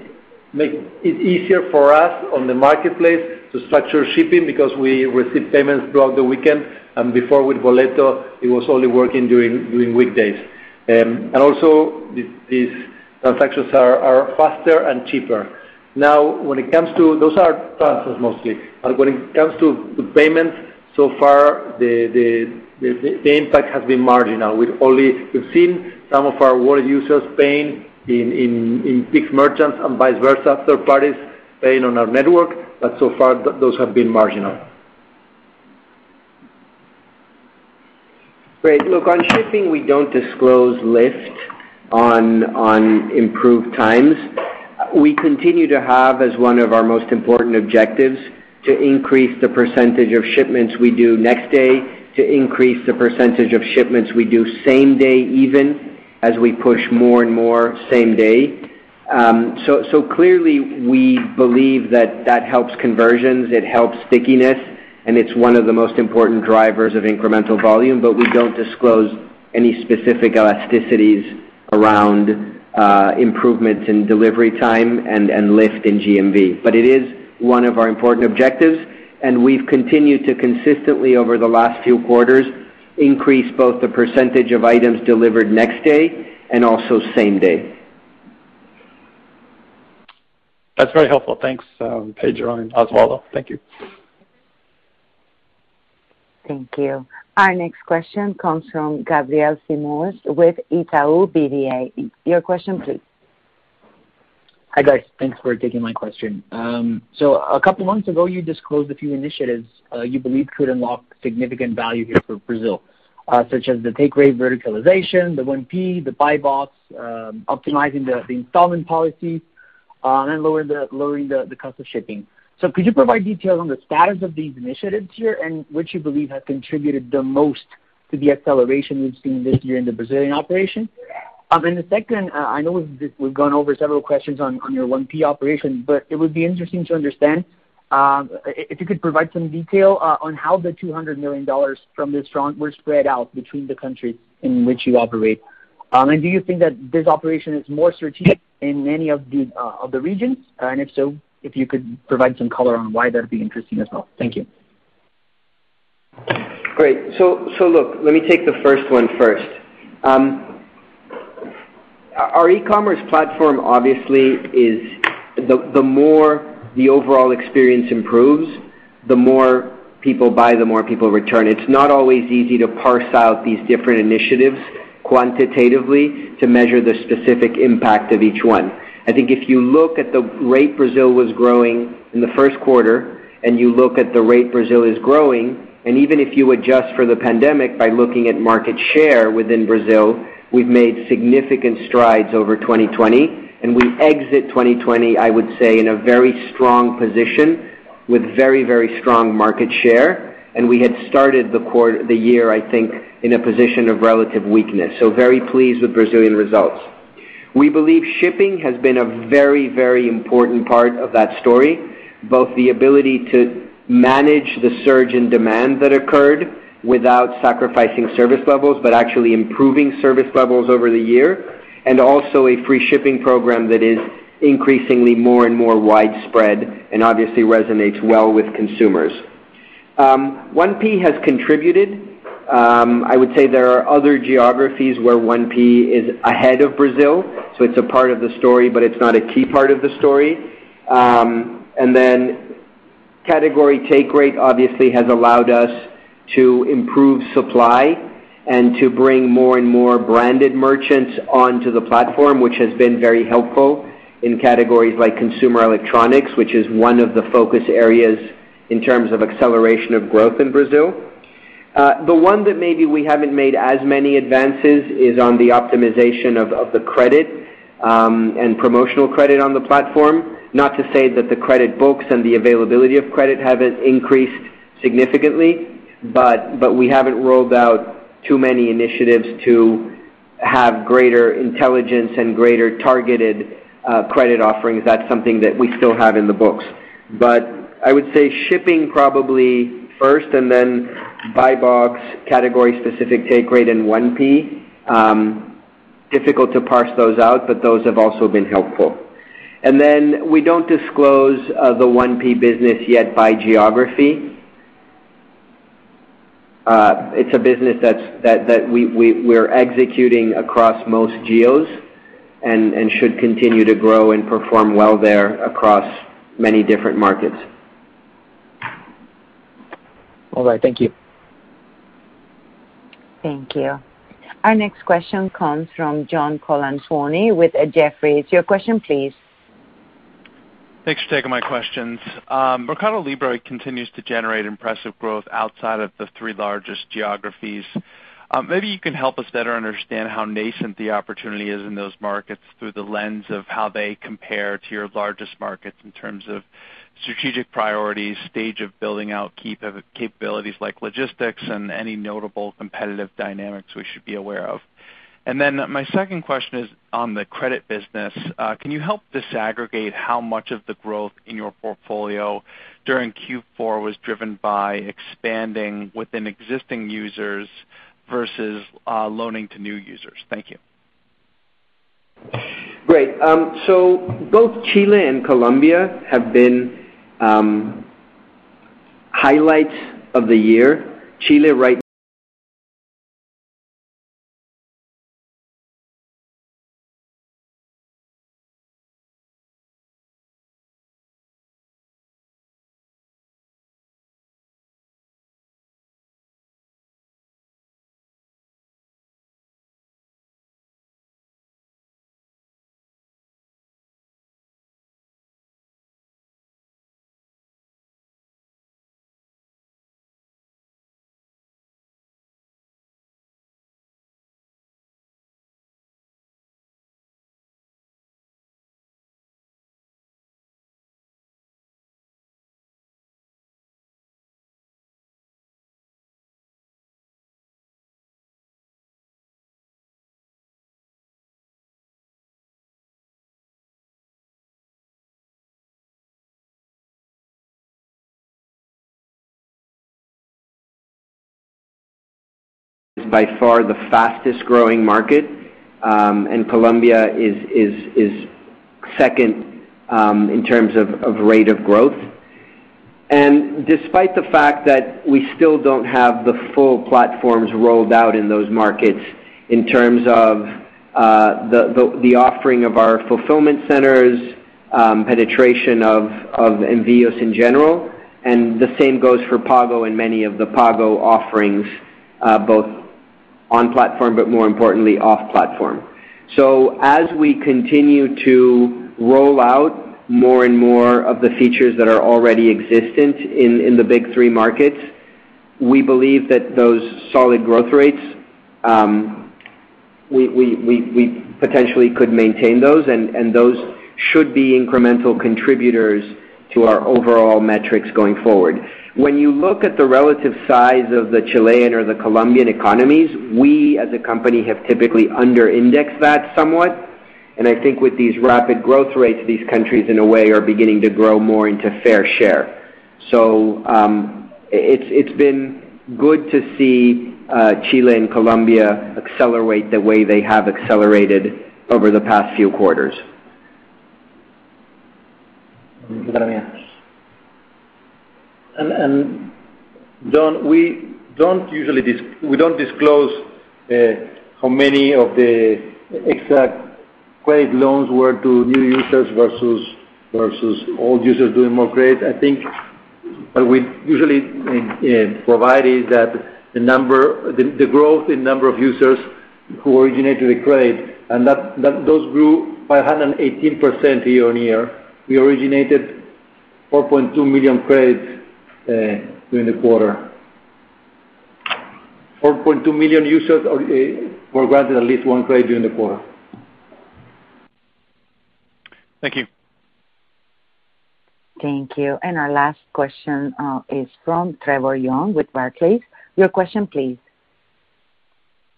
makes it easier for us on the marketplace to structure shipping because we receive payments throughout the weekend, and before with Boleto, it was only working during weekdays. Also, these transactions are faster and cheaper. Those are transfers mostly. When it comes to payments, so far the impact has been marginal. We've seen some of our wallet users paying in Pix merchants and vice versa, third parties paying on our network, but so far those have been marginal. Great. Look, on shipping, we don't disclose lift on improved times. We continue to have as one of our most important objectives to increase the percentage of shipments we do next day, to increase the percentage of shipments we do same day even, as we push more and more same day. Clearly we believe that that helps conversions, it helps stickiness, and it's one of the most important drivers of incremental volume, but we don't disclose any specific elasticities around improvements in delivery time and lift in GMV. It is one of our important objectives, and we've continued to consistently over the last few quarters increase both the percentage of items delivered next day and also same day. That's very helpful. Thanks, Pedro and Osvaldo. Thank you. Thank you. Our next question comes from Gabriel Simões with Itaú BBA. Your question please. Hi, guys. Thanks for taking my question. A couple months ago, you disclosed a few initiatives you believe could unlock significant value here for Brazil, such as the take rate verticalization, the 1P, the buy box, optimizing the installment policy, and lowering the cost of shipping. Could you provide details on the status of these initiatives here and which you believe have contributed the most to the acceleration we've seen this year in the Brazilian operation? The second, I know we've gone over several questions on your 1P operation, it would be interesting to understand if you could provide some detail on how the $200 million from this front were spread out between the countries in which you operate. Do you think that this operation is more strategic in any of the regions? If so, if you could provide some color on why that'd be interesting as well. Thank you. Great. Look, let me take the first one first. Our e-commerce platform obviously is the more the overall experience improves, the more people buy, the more people return. It's not always easy to parse out these different initiatives quantitatively to measure the specific impact of each one. I think if you look at the rate Brazil was growing in the first quarter, and you look at the rate Brazil is growing, and even if you adjust for the pandemic by looking at market share within Brazil, we've made significant strides over 2020. We exit 2020, I would say, in a very strong position with very, very strong market share. We had started the year, I think, in a position of relative weakness. Very pleased with Brazilian results. We believe shipping has been a very, very important part of that story, both the ability to manage the surge in demand that occurred without sacrificing service levels, but actually improving service levels over the year, and also a free shipping program that is increasingly more and more widespread and obviously resonates well with consumers. 1P has contributed. I would say there are other geographies where 1P is ahead of Brazil, so it's a part of the story, but it's not a key part of the story. Category take rate obviously has allowed us to improve supply and to bring more and more branded merchants onto the platform, which has been very helpful in categories like consumer electronics, which is one of the focus areas in terms of acceleration of growth in Brazil. The one that maybe we haven't made as many advances is on the optimization of the credit and promotional credit on the platform. Not to say that the credit books and the availability of credit haven't increased significantly, but we haven't rolled out too many initiatives to have greater intelligence and greater targeted credit offerings. That's something that we still have in the books. I would say shipping probably first and then buy box category specific take rate and 1P. Difficult to parse those out, those have also been helpful. Then we don't disclose the 1P business yet by geography. It's a business that we're executing across most geos and should continue to grow and perform well there across many different markets. All right. Thank you. Thank you. Our next question comes from John Colantuoni with Jefferies. Your question, please. Thanks for taking my questions. MercadoLibre continues to generate impressive growth outside of the three largest geographies. Maybe you can help us better understand how nascent the opportunity is in those markets through the lens of how they compare to your largest markets in terms of strategic priorities, stage of building out capabilities like logistics and any notable competitive dynamics we should be aware of. My second question is on the credit business. Can you help disaggregate how much of the growth in your portfolio during Q4 was driven by expanding within existing users versus loaning to new users? Thank you. Great. Both Chile and Colombia have been highlights of the year. Chile right is by far the fastest-growing market, and Colombia is second in terms of rate of growth. Despite the fact that we still don't have the full platforms rolled out in those markets in terms of the offering of our fulfillment centers, penetration of Envios in general, and the same goes for Pago and many of the Pago offerings, both on platform, but more importantly, off platform. As we continue to roll out more and more of the features that are already existent in the big three markets, we believe that those solid growth rates, we potentially could maintain those, and those should be incremental contributors to our overall metrics going forward. When you look at the relative size of the Chilean or the Colombian economies, we as a company have typically under indexed that somewhat. I think with these rapid growth rates, these countries in a way are beginning to grow more into fair share. It's been good to see Chile and Colombia accelerate the way they have accelerated over the past few quarters. John, we don't disclose how many of the exact credit loans were to new users versus old users doing more credit. I think what we usually provide is that the growth in number of users who originated the credit, and those grew 518% year-on-year. We originated 4.2 million credits during the quarter. 4.2 million users were granted at least one credit during the quarter. Thank you. Thank you. Our last question is from Trevor Young with Barclays. Your question, please.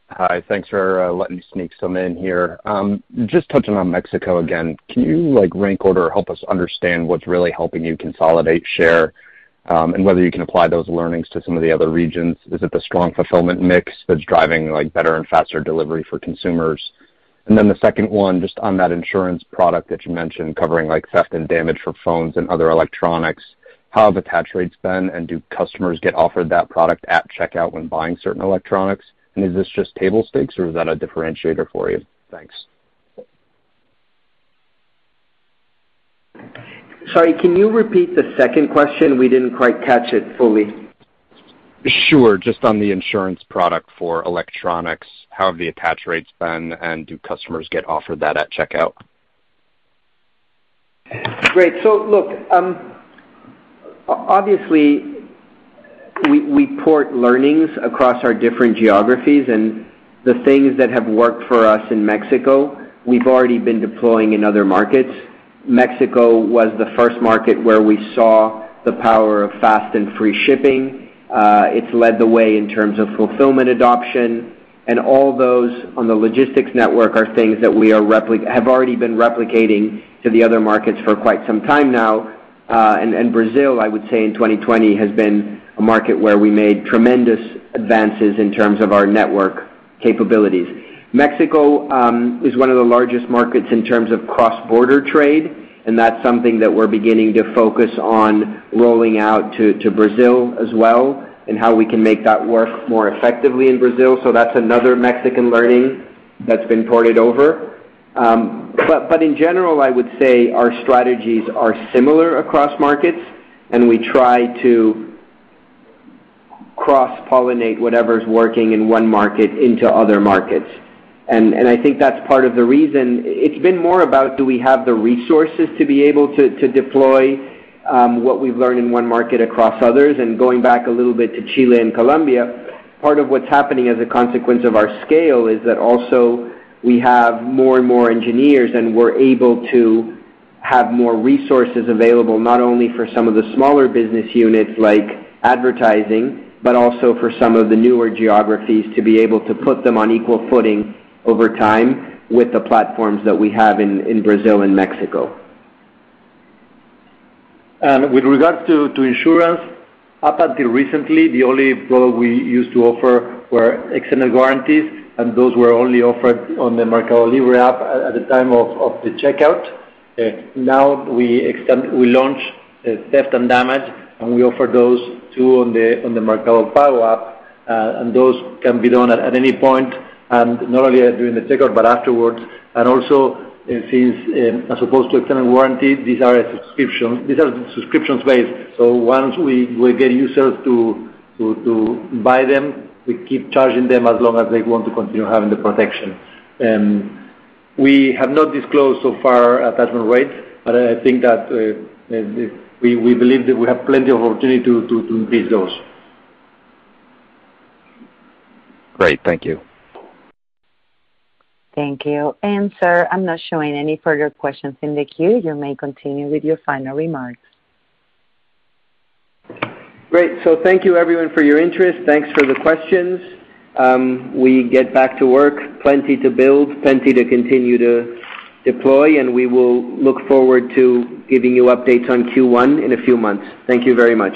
Hi. Thanks for letting me sneak some in here. Just touching on Mexico again, can you rank order or help us understand what's really helping you consolidate share, and whether you can apply those learnings to some of the other regions? Is it the strong fulfillment mix that's driving better and faster delivery for consumers? The second one, just on that insurance product that you mentioned covering theft and damage for phones and other electronics, how have attach rates been, and do customers get offered that product at checkout when buying certain electronics? Is this just table stakes or is that a differentiator for you? Thanks. Sorry, can you repeat the second question? We didn't quite catch it fully. Sure. Just on the insurance product for electronics, how have the attach rates been, and do customers get offered that at checkout? Great. Look, obviously, we port learnings across our different geographies, and the things that have worked for us in Mexico, we've already been deploying in other markets. Mexico was the first market where we saw the power of fast and free shipping. It's led the way in terms of fulfillment adoption. All those on the logistics network are things that have already been replicating to the other markets for quite some time now. Brazil, I would say in 2020, has been a market where we made tremendous advances in terms of our network capabilities. Mexico, is one of the largest markets in terms of cross-border trade, and that's something that we're beginning to focus on rolling out to Brazil as well, and how we can make that work more effectively in Brazil. That's another Mexican learning that's been ported over. In general, I would say our strategies are similar across markets, and we try to cross-pollinate whatever's working in one market into other markets. I think that's part of the reason. It's been more about do we have the resources to be able to deploy what we've learned in one market across others. Going back a little bit to Chile and Colombia, part of what's happening as a consequence of our scale is that also we have more and more engineers, and we're able to have more resources available, not only for some of the smaller business units like advertising, but also for some of the newer geographies to be able to put them on equal footing over time with the platforms that we have in Brazil and Mexico. With regards to insurance, up until recently, the only product we used to offer were external guarantees, and those were only offered on the MercadoLibre app at the time of the checkout. Now, we launch theft and damage, and we offer those two on the Mercado Pago app. Those can be done at any point, and not only during the checkout but afterwards. Also, since, as opposed to external warranty, these are subscriptions-based. Once we get users to buy them, we keep charging them as long as they want to continue having the protection. We have not disclosed so far attachment rates, but I think that we believe that we have plenty of opportunity to increase those. Great. Thank you. Sir, I am not showing any further questions in the queue. You may continue with your final remarks. Thank you everyone for your interest. Thanks for the questions. We get back to work. Plenty to build, plenty to continue to deploy. We will look forward to giving you updates on Q1 in a few months. Thank you very much.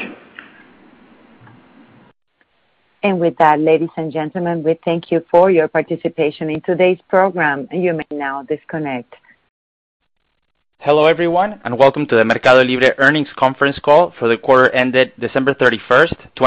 And with that, ladies and gentlemen, we thank you for your participation in today's program. You may now disconnect.